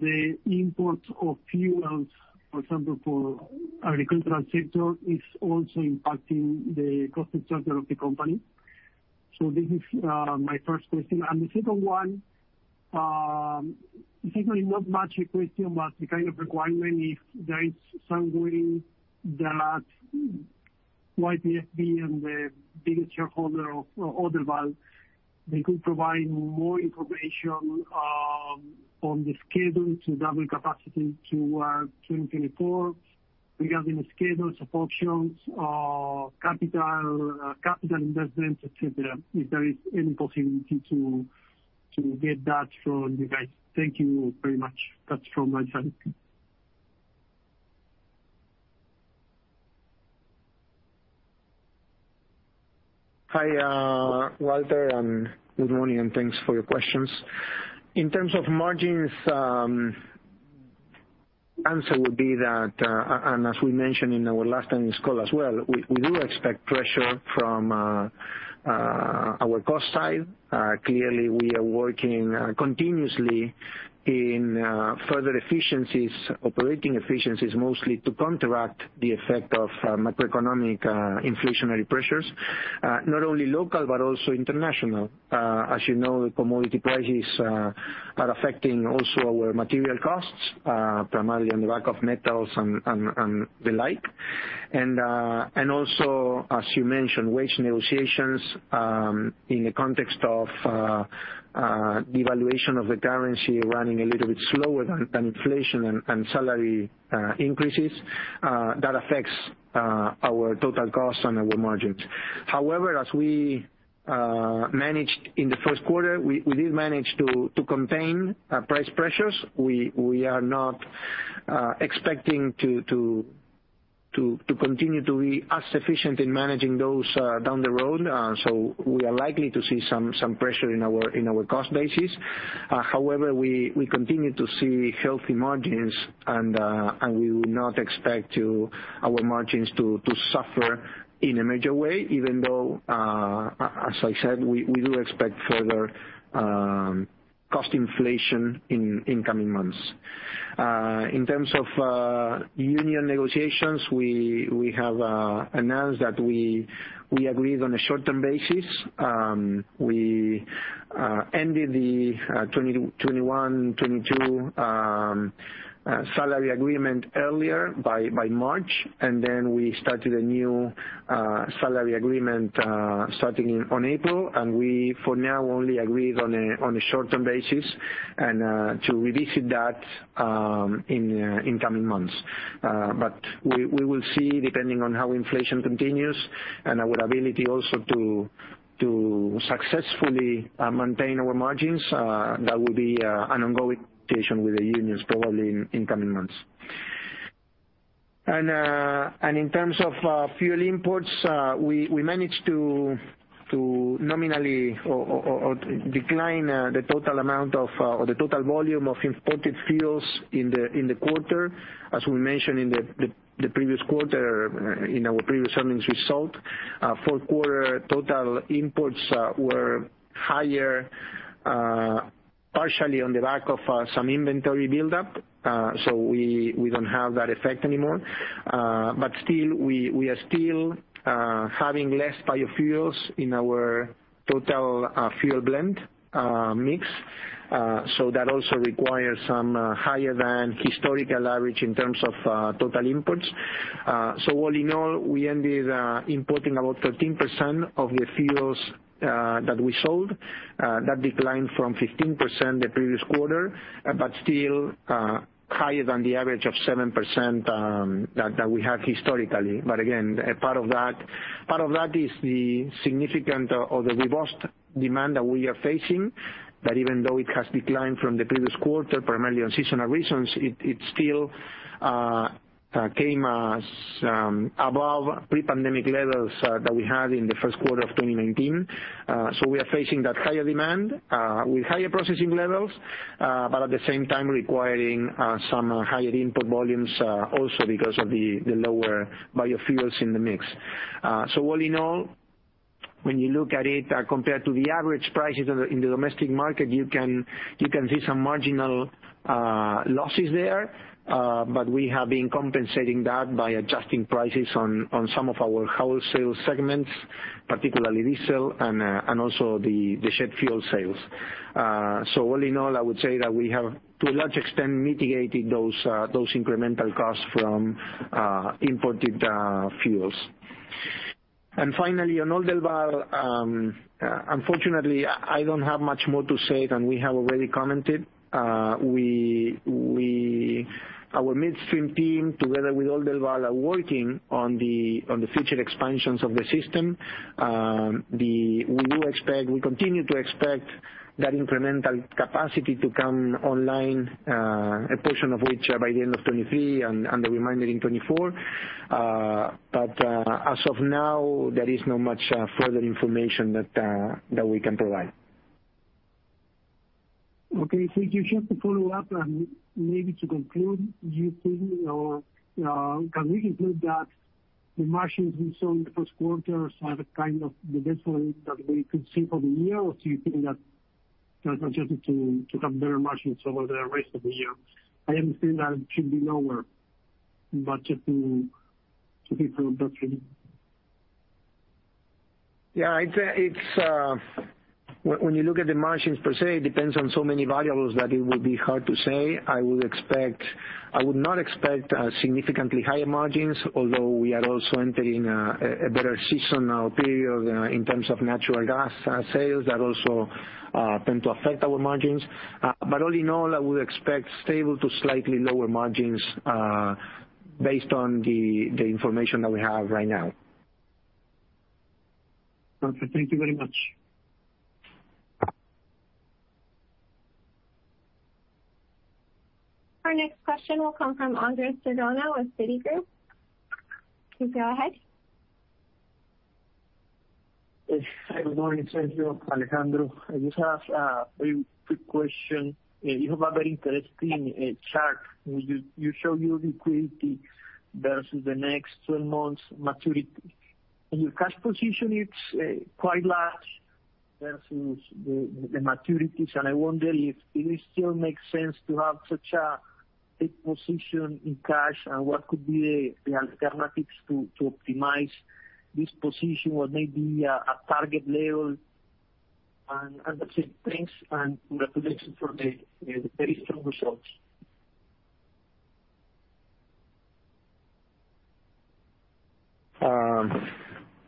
the import of fuels, for example, for agricultural sector is also impacting the cost structure of the company. This is my first question. The second one is really not much a question, but the kind of requirement if there is some way that YPFB and the biggest shareholder of Oldelval could provide more information on the schedule to double capacity [in Q1] 2024, regarding the schedules of options or capital investments, et cetera, if there is any possibility to get that from you guys. Thank you very much. That's from my side. Hi, Walter, and good morning, and thanks for your questions. In terms of margins, answer would be that, and as we mentioned in our last earnings call as well, we do expect pressure from our cost side. Clearly, we are working continuously in further efficiencies, operating efficiencies, mostly to counteract the effect of macroeconomic inflationary pressures, not only local but also international. As you know, the commodity prices are affecting also our material costs, primarily on the back of metals and the like. Also as you mentioned, wage negotiations in the context of the evaluation of the currency running a little bit slower than inflation and salary increases that affects our total costs and our margins. However, as we managed in the first quarter, we did manage to contain price pressures. We are not expecting to continue to be as efficient in managing those down the road. We are likely to see some pressure in our cost basis. However, we continue to see healthy margins, and we would not expect our margins to suffer in a major way, even though, as I said, we do expect further cost inflation in coming months. In terms of union negotiations, we have announced that we agreed on a short-term basis. We ended the 2021, 2022 salary agreement earlier by March, and then we started a new salary agreement starting on April. For now, we only agreed on a short-term basis and to revisit that in coming months. We will see, depending on how inflation continues and our ability also to successfully maintain our margins, that will be an ongoing negotiation with the unions probably in coming months. In terms of fuel imports, we managed to nominally or decline the total amount of or the total volume of imported fuels in the quarter. As we mentioned in the previous quarter, in our previous earnings result, fourth quarter total imports were higher, partially on the back of some inventory buildup. We don't have that effect anymore. We are still having less biofuels in our total fuel blend mix. That also requires some higher-than-historical average in terms of total imports. All in all, we ended importing about 13% of the fuels that we sold. That declined from 15% the previous quarter, but still higher than the average of 7% that we have historically. Again, a part of that is the significant or the robust demand that we are facing, that even though it has declined from the previous quarter, primarily on seasonal reasons, it still came as above pre-pandemic levels that we had in the first quarter of 2019. We are facing that higher demand with higher processing levels, but at the same time requiring some higher input volumes, also because of the lower biofuels in the mix. All in all, when you look at it compared to the average prices in the domestic market, you can see some marginal losses there. We have been compensating that by adjusting prices on some of our wholesale segments, particularly diesel and also the ship fuel sales. All in all, I would say that we have, to a large extent, mitigated those incremental costs from imported fuels. Finally, on Oldelval, unfortunately, I don't have much more to say than we have already commented. Our midstream team, together with Oldelval, are working on the future expansions of the system. We do expect, we continue to expect that incremental capacity to come online, a portion of which by the end of 2023 and the remainder in 2024. As of now, there is not much further information that we can provide. Okay. Thank you. Just to follow-up and maybe to conclude, do you think or can we conclude that the margins we saw in the first quarter are the kind of the best one that we could see for the year? Or do you think that there's a possibility to have better margins over the rest of the year? I understand that it should be lower. Budgeting to [hit your budget]. Yeah, I'd say it's when you look at the margins per se, it depends on so many variables that it would be hard to say. I would not expect significantly higher margins, although we are also entering a better seasonal period in terms of natural gas sales that also tend to affect our margins. All in all, I would expect stable to slightly lower margins based on the information that we have right now. Okay. Thank you very much. Our next question will come from Andrés Cardona with Citigroup. Please go ahead. Yes. Good morning, Sergio, Alejandro. I just have a very quick question. You have a very interesting chart where you show your liquidity versus the next 12 months maturity. Your cash position, it's quite large versus the maturities. I wonder if it still makes sense to have such a position in cash and what could be the alternatives to optimize this position or maybe a target level. That's it. Thanks, and congratulations for the very strong results.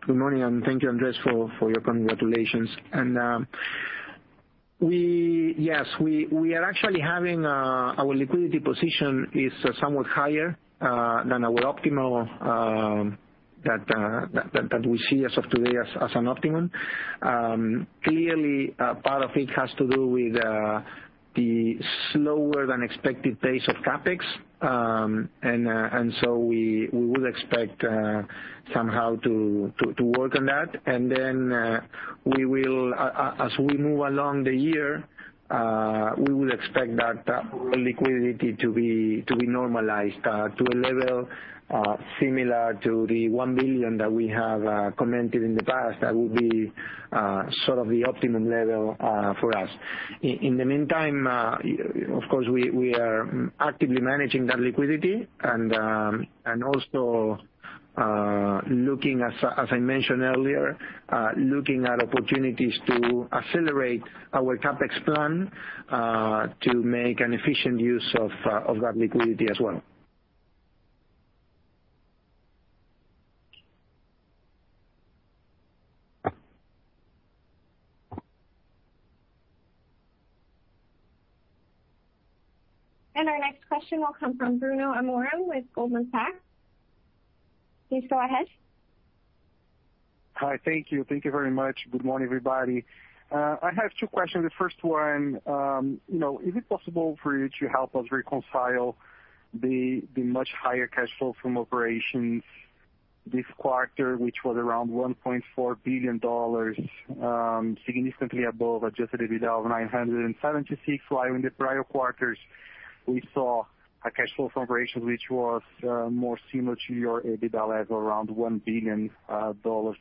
Good morning, and thank you, Andrés, for your congratulations. Yes, we are actually having our liquidity position is somewhat higher than our optimal that we see as of today as an optimum. Clearly, a part of it has to do with the slower-than-expected pace of CapEx. We would expect somehow to work on that. We will as we move along the year, we would expect that liquidity to be normalized to a level similar to the $1 billion that we have commented in the past. That would be sort of the optimum level for us. In the meantime, of course, we are actively managing that liquidity and also looking, as I mentioned earlier, at opportunities to accelerate our CapEx plan to make an efficient use of that liquidity as well. Our next question will come from Bruno Amorim with Goldman Sachs. Please go ahead. Hi. Thank you. Thank you very much. Good morning, everybody. I have two questions. The first one, you know, is it possible for you to help us reconcile the much higher cash flow from operations this quarter, which was around $1.4 billion, significantly above adjusted EBITDA of $976 million, while in the prior quarters we saw a cash flow from operations which was more similar to your EBITDA level, around $1 billion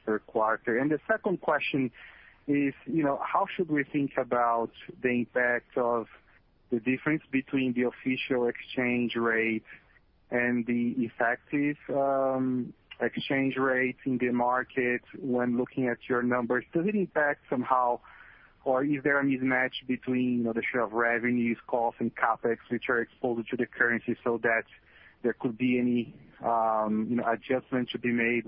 per quarter? The second question is, you know, how should we think about the impact of the difference between the official exchange rate and the effective exchange rate in the market when looking at your numbers? Does it impact somehow, or is there a mismatch between, you know, the share of revenues, costs, and CapEx which are exposed to the currency so that there could be any, you know, adjustments to be made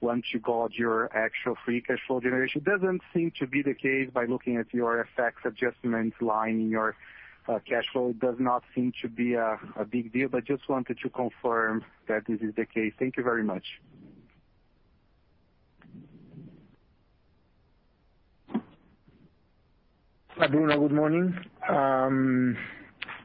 once you got your actual free cash flow generation? Doesn't seem to be the case by looking at your FX adjustments line in your cash flow. Does not seem to be a big deal, but just wanted to confirm that this is the case. Thank you very much. Hi, Bruno, good morning.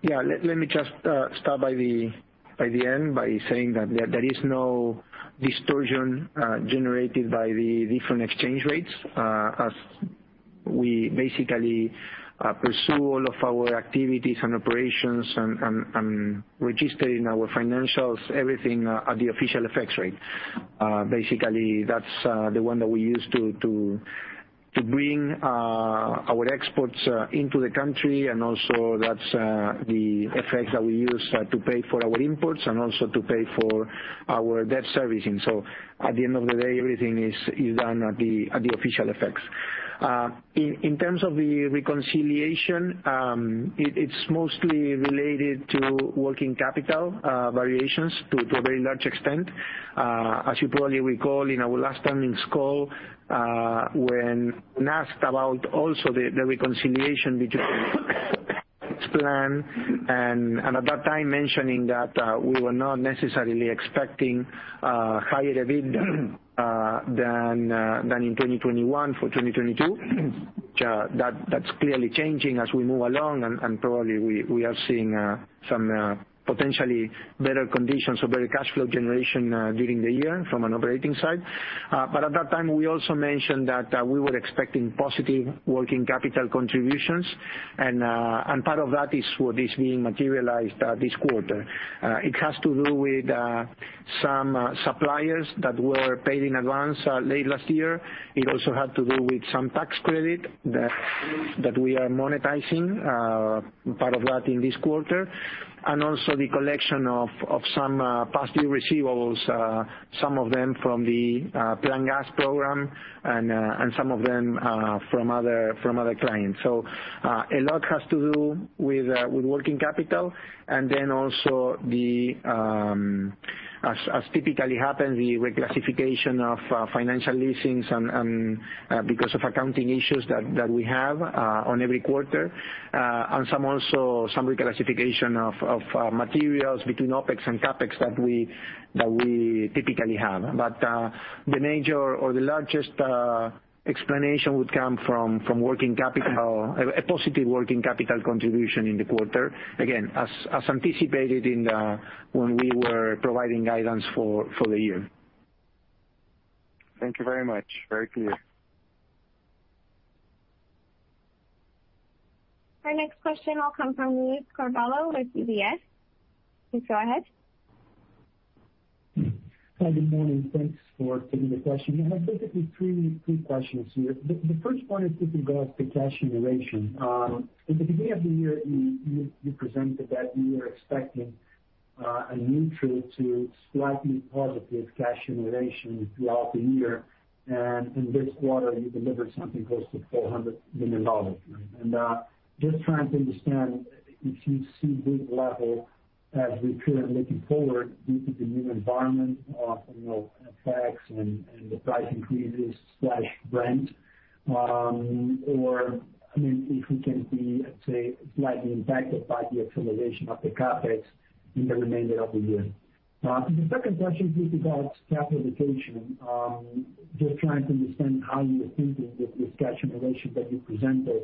Yeah. Let me just start by the end by saying that there is no distortion generated by the different exchange rates. As we basically pursue all of our activities and operations and register in our financials, everything at the official FX rate. Basically, that's the one that we use to bring our exports into the country. Also that's the FX that we use to pay for our imports and also to pay for our debt servicing. At the end of the day, everything is done at the official FX. In terms of the reconciliation, it's mostly related to working capital variations to a very large extent. As you probably recall in our last earnings call, when asked about also the reconciliation [between CapEx] plan and at that time mentioning that we were not necessarily expecting higher EBITDA than in 2021 for 2022. That's clearly changing as we move along and probably we are seeing some potentially better conditions or better cash flow generation during the year from an operating side. At that time, we also mentioned that we were expecting positive working capital contributions. Part of that is what is being materialized this quarter. It has to do with some suppliers that were paid in advance late last year. It also had to do with some tax credit that we are monetizing part of that in this quarter. Also the collection of some past due receivables, some of them from the Plan Gas.Ar program and some of them from other clients. A lot has to do with working capital. Then also as typically happens, the reclassification of financial leasings and because of accounting issues that we have on every quarter. Also some reclassification of materials between OpEx and CapEx that we typically have. The major or the largest explanation would come from working capital, a positive working capital contribution in the quarter. Again, as anticipated when we were providing guidance for the year. Thank you very much. Very clear. Our next question will come from Luiz Carvalho with UBS. Please go ahead. Hi, good morning. Thanks for taking the question. I have basically three questions here. The first one is with regards to cash generation. At the beginning of the year, you presented that you were expecting a neutral to slightly positive cash generation throughout the year. In this quarter, you delivered something close to $400 million. Just trying to understand if you see this level as [sustainable] looking forward due to the new environment of, you know, FX and the price increases, Brent, or, I mean, if we can be, let's say, slightly impacted by the acceleration of the CapEx in the remainder of the year. The second question is with regards to capitalization. Just trying to understand how you're thinking with this cash generation that you presented.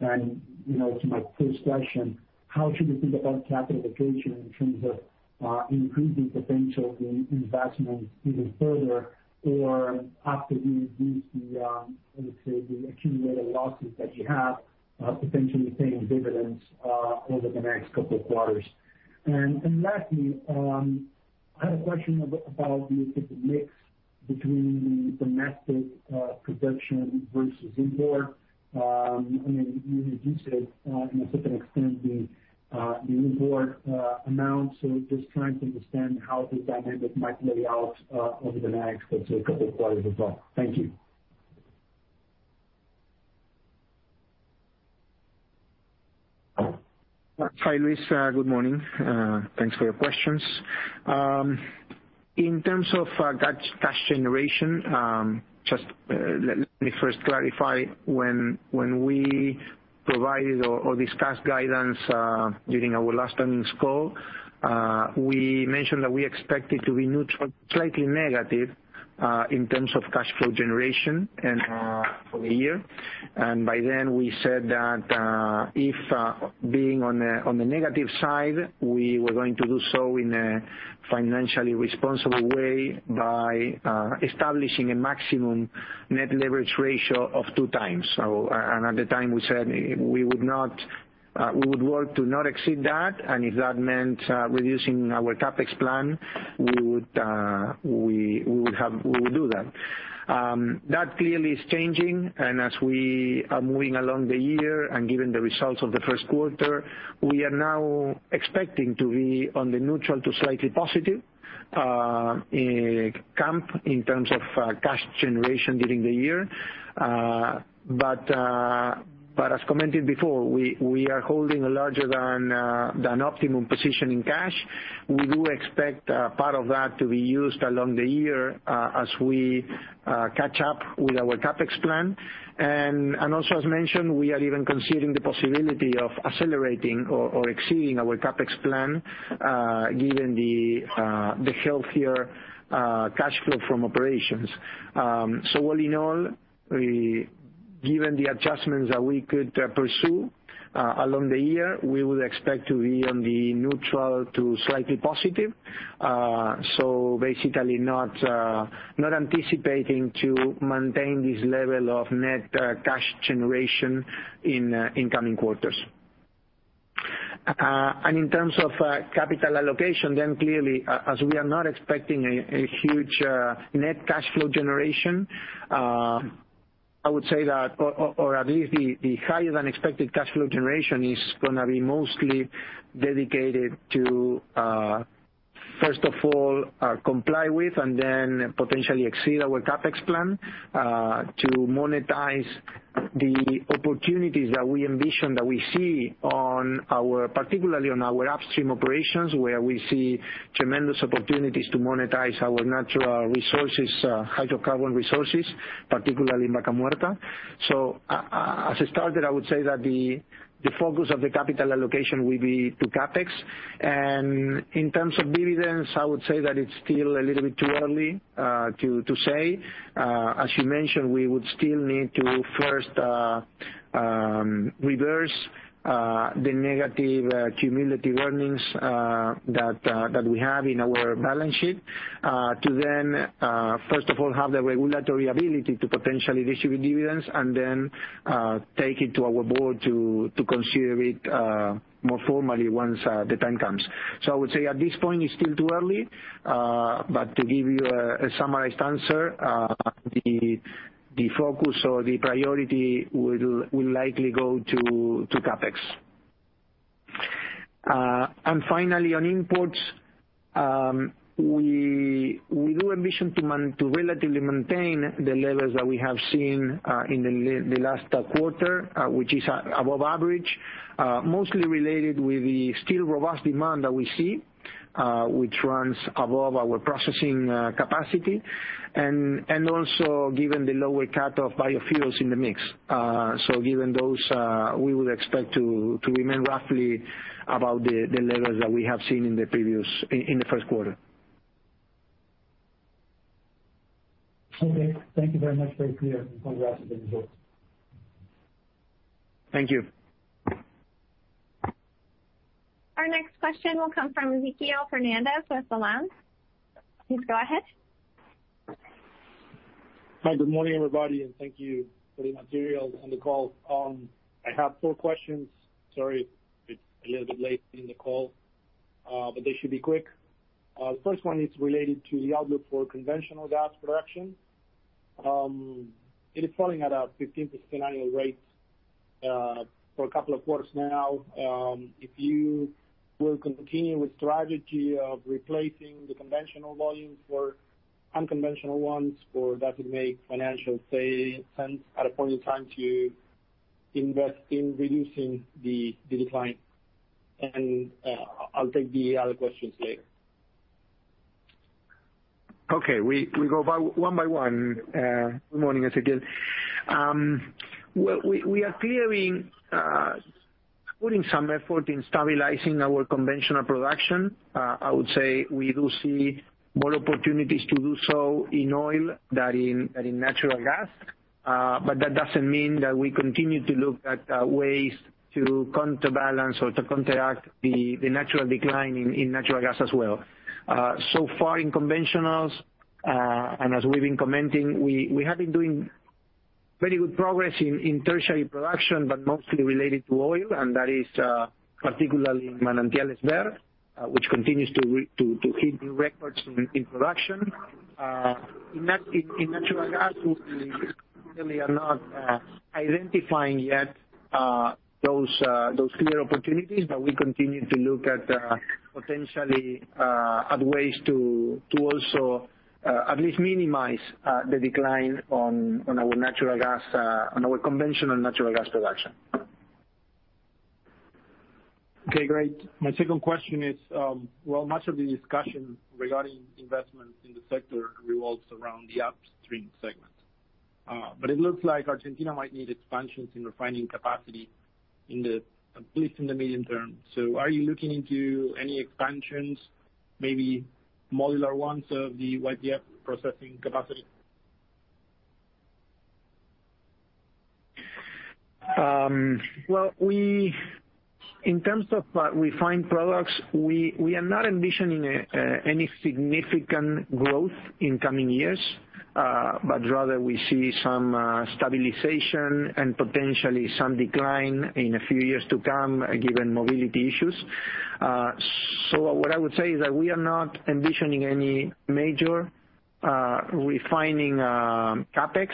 You know, to my first question, how should we think about capitalization in terms of increasing potential in investments even further or after you reduce the, let's say, the accumulated losses that you have, potentially paying dividends over the next couple of quarters? Lastly, I had a question about the mix between domestic production versus import. I mean, you reduced it and to an extent the import amounts. Just trying to understand how the dynamic might play out over the next, let's say, couple of quarters as well. Thank you. Hi, Luiz. Good morning. Thanks for your questions. In terms of cash generation, just let me first clarify, when we provided or discussed guidance during our last earnings call, we mentioned that we expected to be neutral, slightly negative, in terms of cash flow generation for the year. By then we said that, if being on the negative side, we were going to do so in a financially responsible way by establishing a maximum net leverage ratio of 2x. At the time, we said we would work to not exceed that, and if that meant reducing our CapEx plan, we would do that. That clearly is changing. As we are moving along the year and given the results of the first quarter, we are now expecting to be on the neutral to slightly positive camp in terms of cash generation during the year. But as commented before, we are holding a larger-than-optimum position in cash. We do expect part of that to be used along the year, as we catch up with our CapEx plan. Also, as mentioned, we are even considering the possibility of accelerating or exceeding our CapEx plan, given the healthier cash flow from operations. All in all, given the adjustments that we could pursue along the year, we would expect to be on the neutral to slightly positive. Basically not anticipating to maintain this level of net cash generation in coming quarters. In terms of capital allocation, clearly, as we are not expecting a huge net cash flow generation, I would say that or at least the higher-than-expected cash flow generation is gonna be mostly dedicated to, first of all, comply with and then potentially exceed our CapEx plan, to monetize the opportunities that we envision, that we see on our, particularly on our upstream operations, where we see tremendous opportunities to monetize our natural resources, hydrocarbon resources, particularly in Vaca Muerta. As a starter, I would say that the focus of the capital allocation will be to CapEx. In terms of dividends, I would say that it's still a little bit too early to say. As you mentioned, we would still need to first reverse the negative cumulative earnings that we have in our balance sheet to then, first of all, have the regulatory ability to potentially distribute dividends and then take it to our board to consider it more formally once the time comes. I would say at this point, it's still too early. But to give you a summarized answer, the focus or the priority will likely go to CapEx. Finally, on imports, we do envision to relatively maintain the levels that we have seen in the last quarter, which is above average, mostly related with the still robust demand that we see, which runs above our processing capacity and also given the lower cut of biofuels in the mix. Given those, we would expect to remain roughly about the levels that we have seen in the first quarter. Okay. Thank you very much, very clear, and congrats on the results. Thank you. Our next question will come from Ezequiel Fernandez with Balanz. Please go ahead. Hi. Good morning, everybody, and thank you for the materials on the call. I have four questions. Sorry, it's a little bit late in the call, but they should be quick. The first one is related to the outlook for conventional gas production. It is falling at a 15% annual rate for a couple of quarters now. If you will continue with strategy of replacing the conventional volumes for unconventional ones or does it make financial sense at a point in time to invest in reducing the decline? I'll take the other questions later. Okay. We go by one by one. Good morning, Ezequiel. We are clearly putting some effort in stabilizing our conventional production. I would say we do see more opportunities to do so in oil than in natural gas. But that doesn't mean that we continue to look at ways to counterbalance or to counteract the natural decline in natural gas as well. So far in conventionals, and as we've been commenting, we have been doing very good progress in tertiary production, but mostly related to oil, and that is particularly in Manantiales Behr, which continues to hit new records in production. In natural gas, we really are not identifying yet those clear opportunities. We continue to look at potentially other ways to also at least minimize the decline on our conventional natural gas production. Okay, great. My second question is, well, much of the discussion regarding investment in the sector revolves around the upstream segment. But it looks like Argentina might need expansions in refining capacity, at least in the medium term. Are you looking into any expansions, maybe modular ones of the YPF processing capacity? In terms of refined products, we are not envisioning any significant growth in coming years, but rather we see some stabilization and potentially some decline in a few years to come given mobility issues. What I would say is that we are not envisioning any major refining CapEx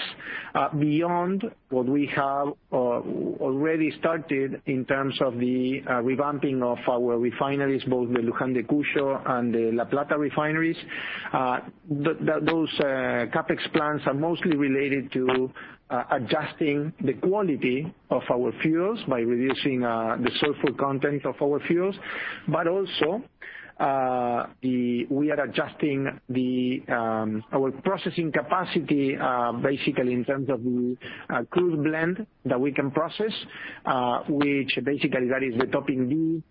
beyond what we have already started in terms of the revamping of our refineries, both the Luján de Cuyo and the La Plata refineries. Those CapEx plans are mostly related to adjusting the quality of our fuels by reducing the sulfur content of our fuels. Also we are adjusting our processing capacity, basically in terms of the crude blend that we can process, which basically that is the Topping D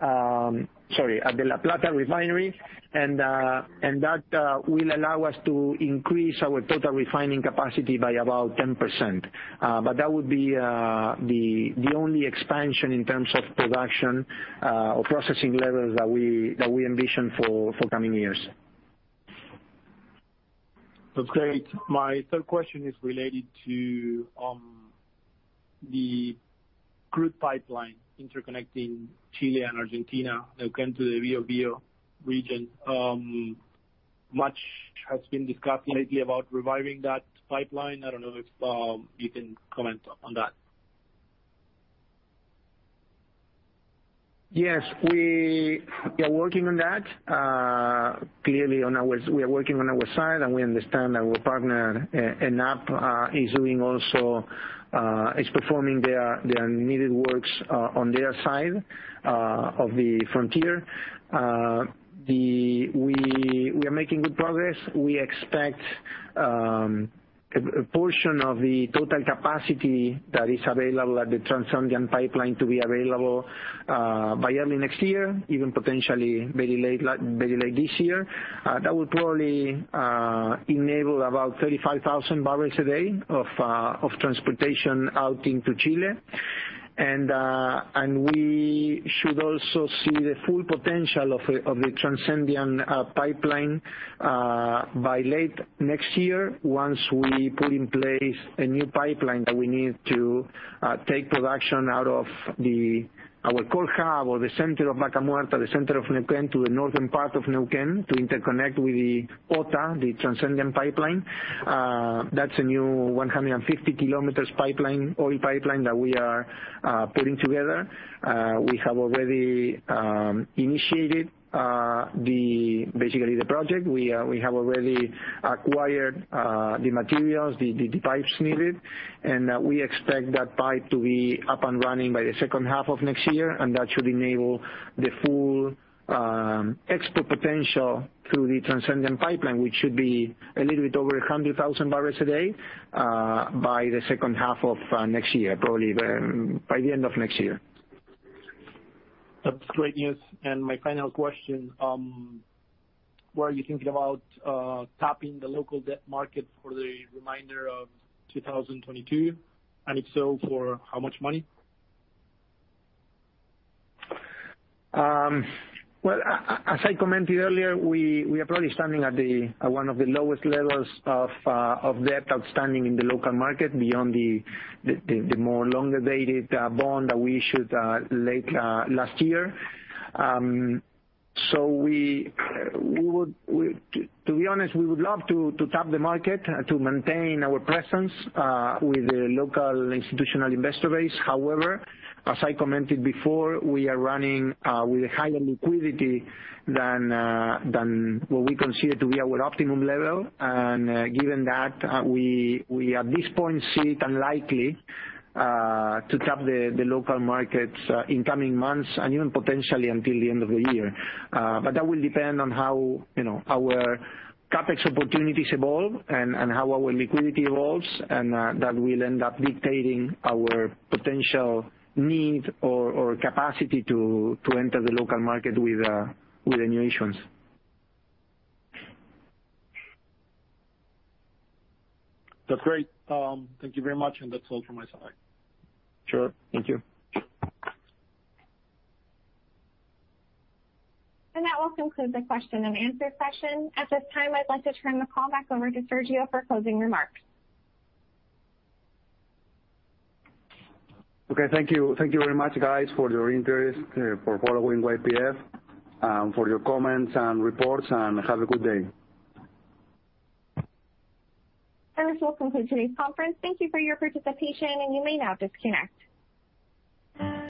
at the La Plata refinery. That will allow us to increase our total refining capacity by about 10%. That would be the only expansion in terms of production or processing levels that we envision for coming years. That's great. My third question is related to the crude pipeline interconnecting Chile and Argentina that came to the Bío Bío region. Much has been discussed lately about reviving that pipeline. I don't know if you can comment on that. Yes, we are working on that. Clearly, we are working on our side, and we understand our partner, ENAP, is performing their needed works on their side of the frontier. We are making good progress. We expect a portion of the total capacity that is available at the Trans-Andean pipeline to be available by early next year, even potentially very late this year. That would probably enable about 35,000 bbl a day of transportation out into Chile. We should also see the full potential of the Trans-Andean pipeline by late next year, once we put in place a new pipeline that we need to take production out of our core hub or the center of Vaca Muerta, the center of Neuquén, to the northern part of Neuquén to interconnect with the OTA, the Trans-Andean pipeline. That's a new 150-km pipeline, oil pipeline that we are putting together. We have already initiated basically the project. We have already acquired the materials, the pipes needed, and we expect that pipe to be up and running by the second half of next year, and that should enable the full export potential through the Trans-Andean pipeline, which should be a little bit over 100,000 bbl a day by the second half of next year, probably by the end of next year. That's great news. My final question, were you thinking about tapping the local debt market for the remainder of 2022? If so, for how much money? Well, as I commented earlier, we are probably standing at one of the lowest levels of debt outstanding in the local market beyond the more longer-dated bond that we issued late last year. To be honest, we would love to tap the market to maintain our presence with the local institutional investor base. However, as I commented before, we are running with higher liquidity than what we consider to be our optimum level. Given that, we at this point see it unlikely to tap the local markets in coming months and even potentially until the end of the year. That will depend on how, you know, our CapEx opportunities evolve and how our liquidity evolves, and that will end up dictating our potential need or capacity to enter the local market with the new issues. That's great. Thank you very much. That's all from my side. Sure. Thank you. That will conclude the question-and-answer session. At this time, I'd like to turn the call back over to Sergio for closing remarks. Okay. Thank you. Thank you very much, guys, for your interest, for following YPF, for your comments and reports, and have a good day. This will conclude today's conference. Thank you for your participation, and you may now disconnect.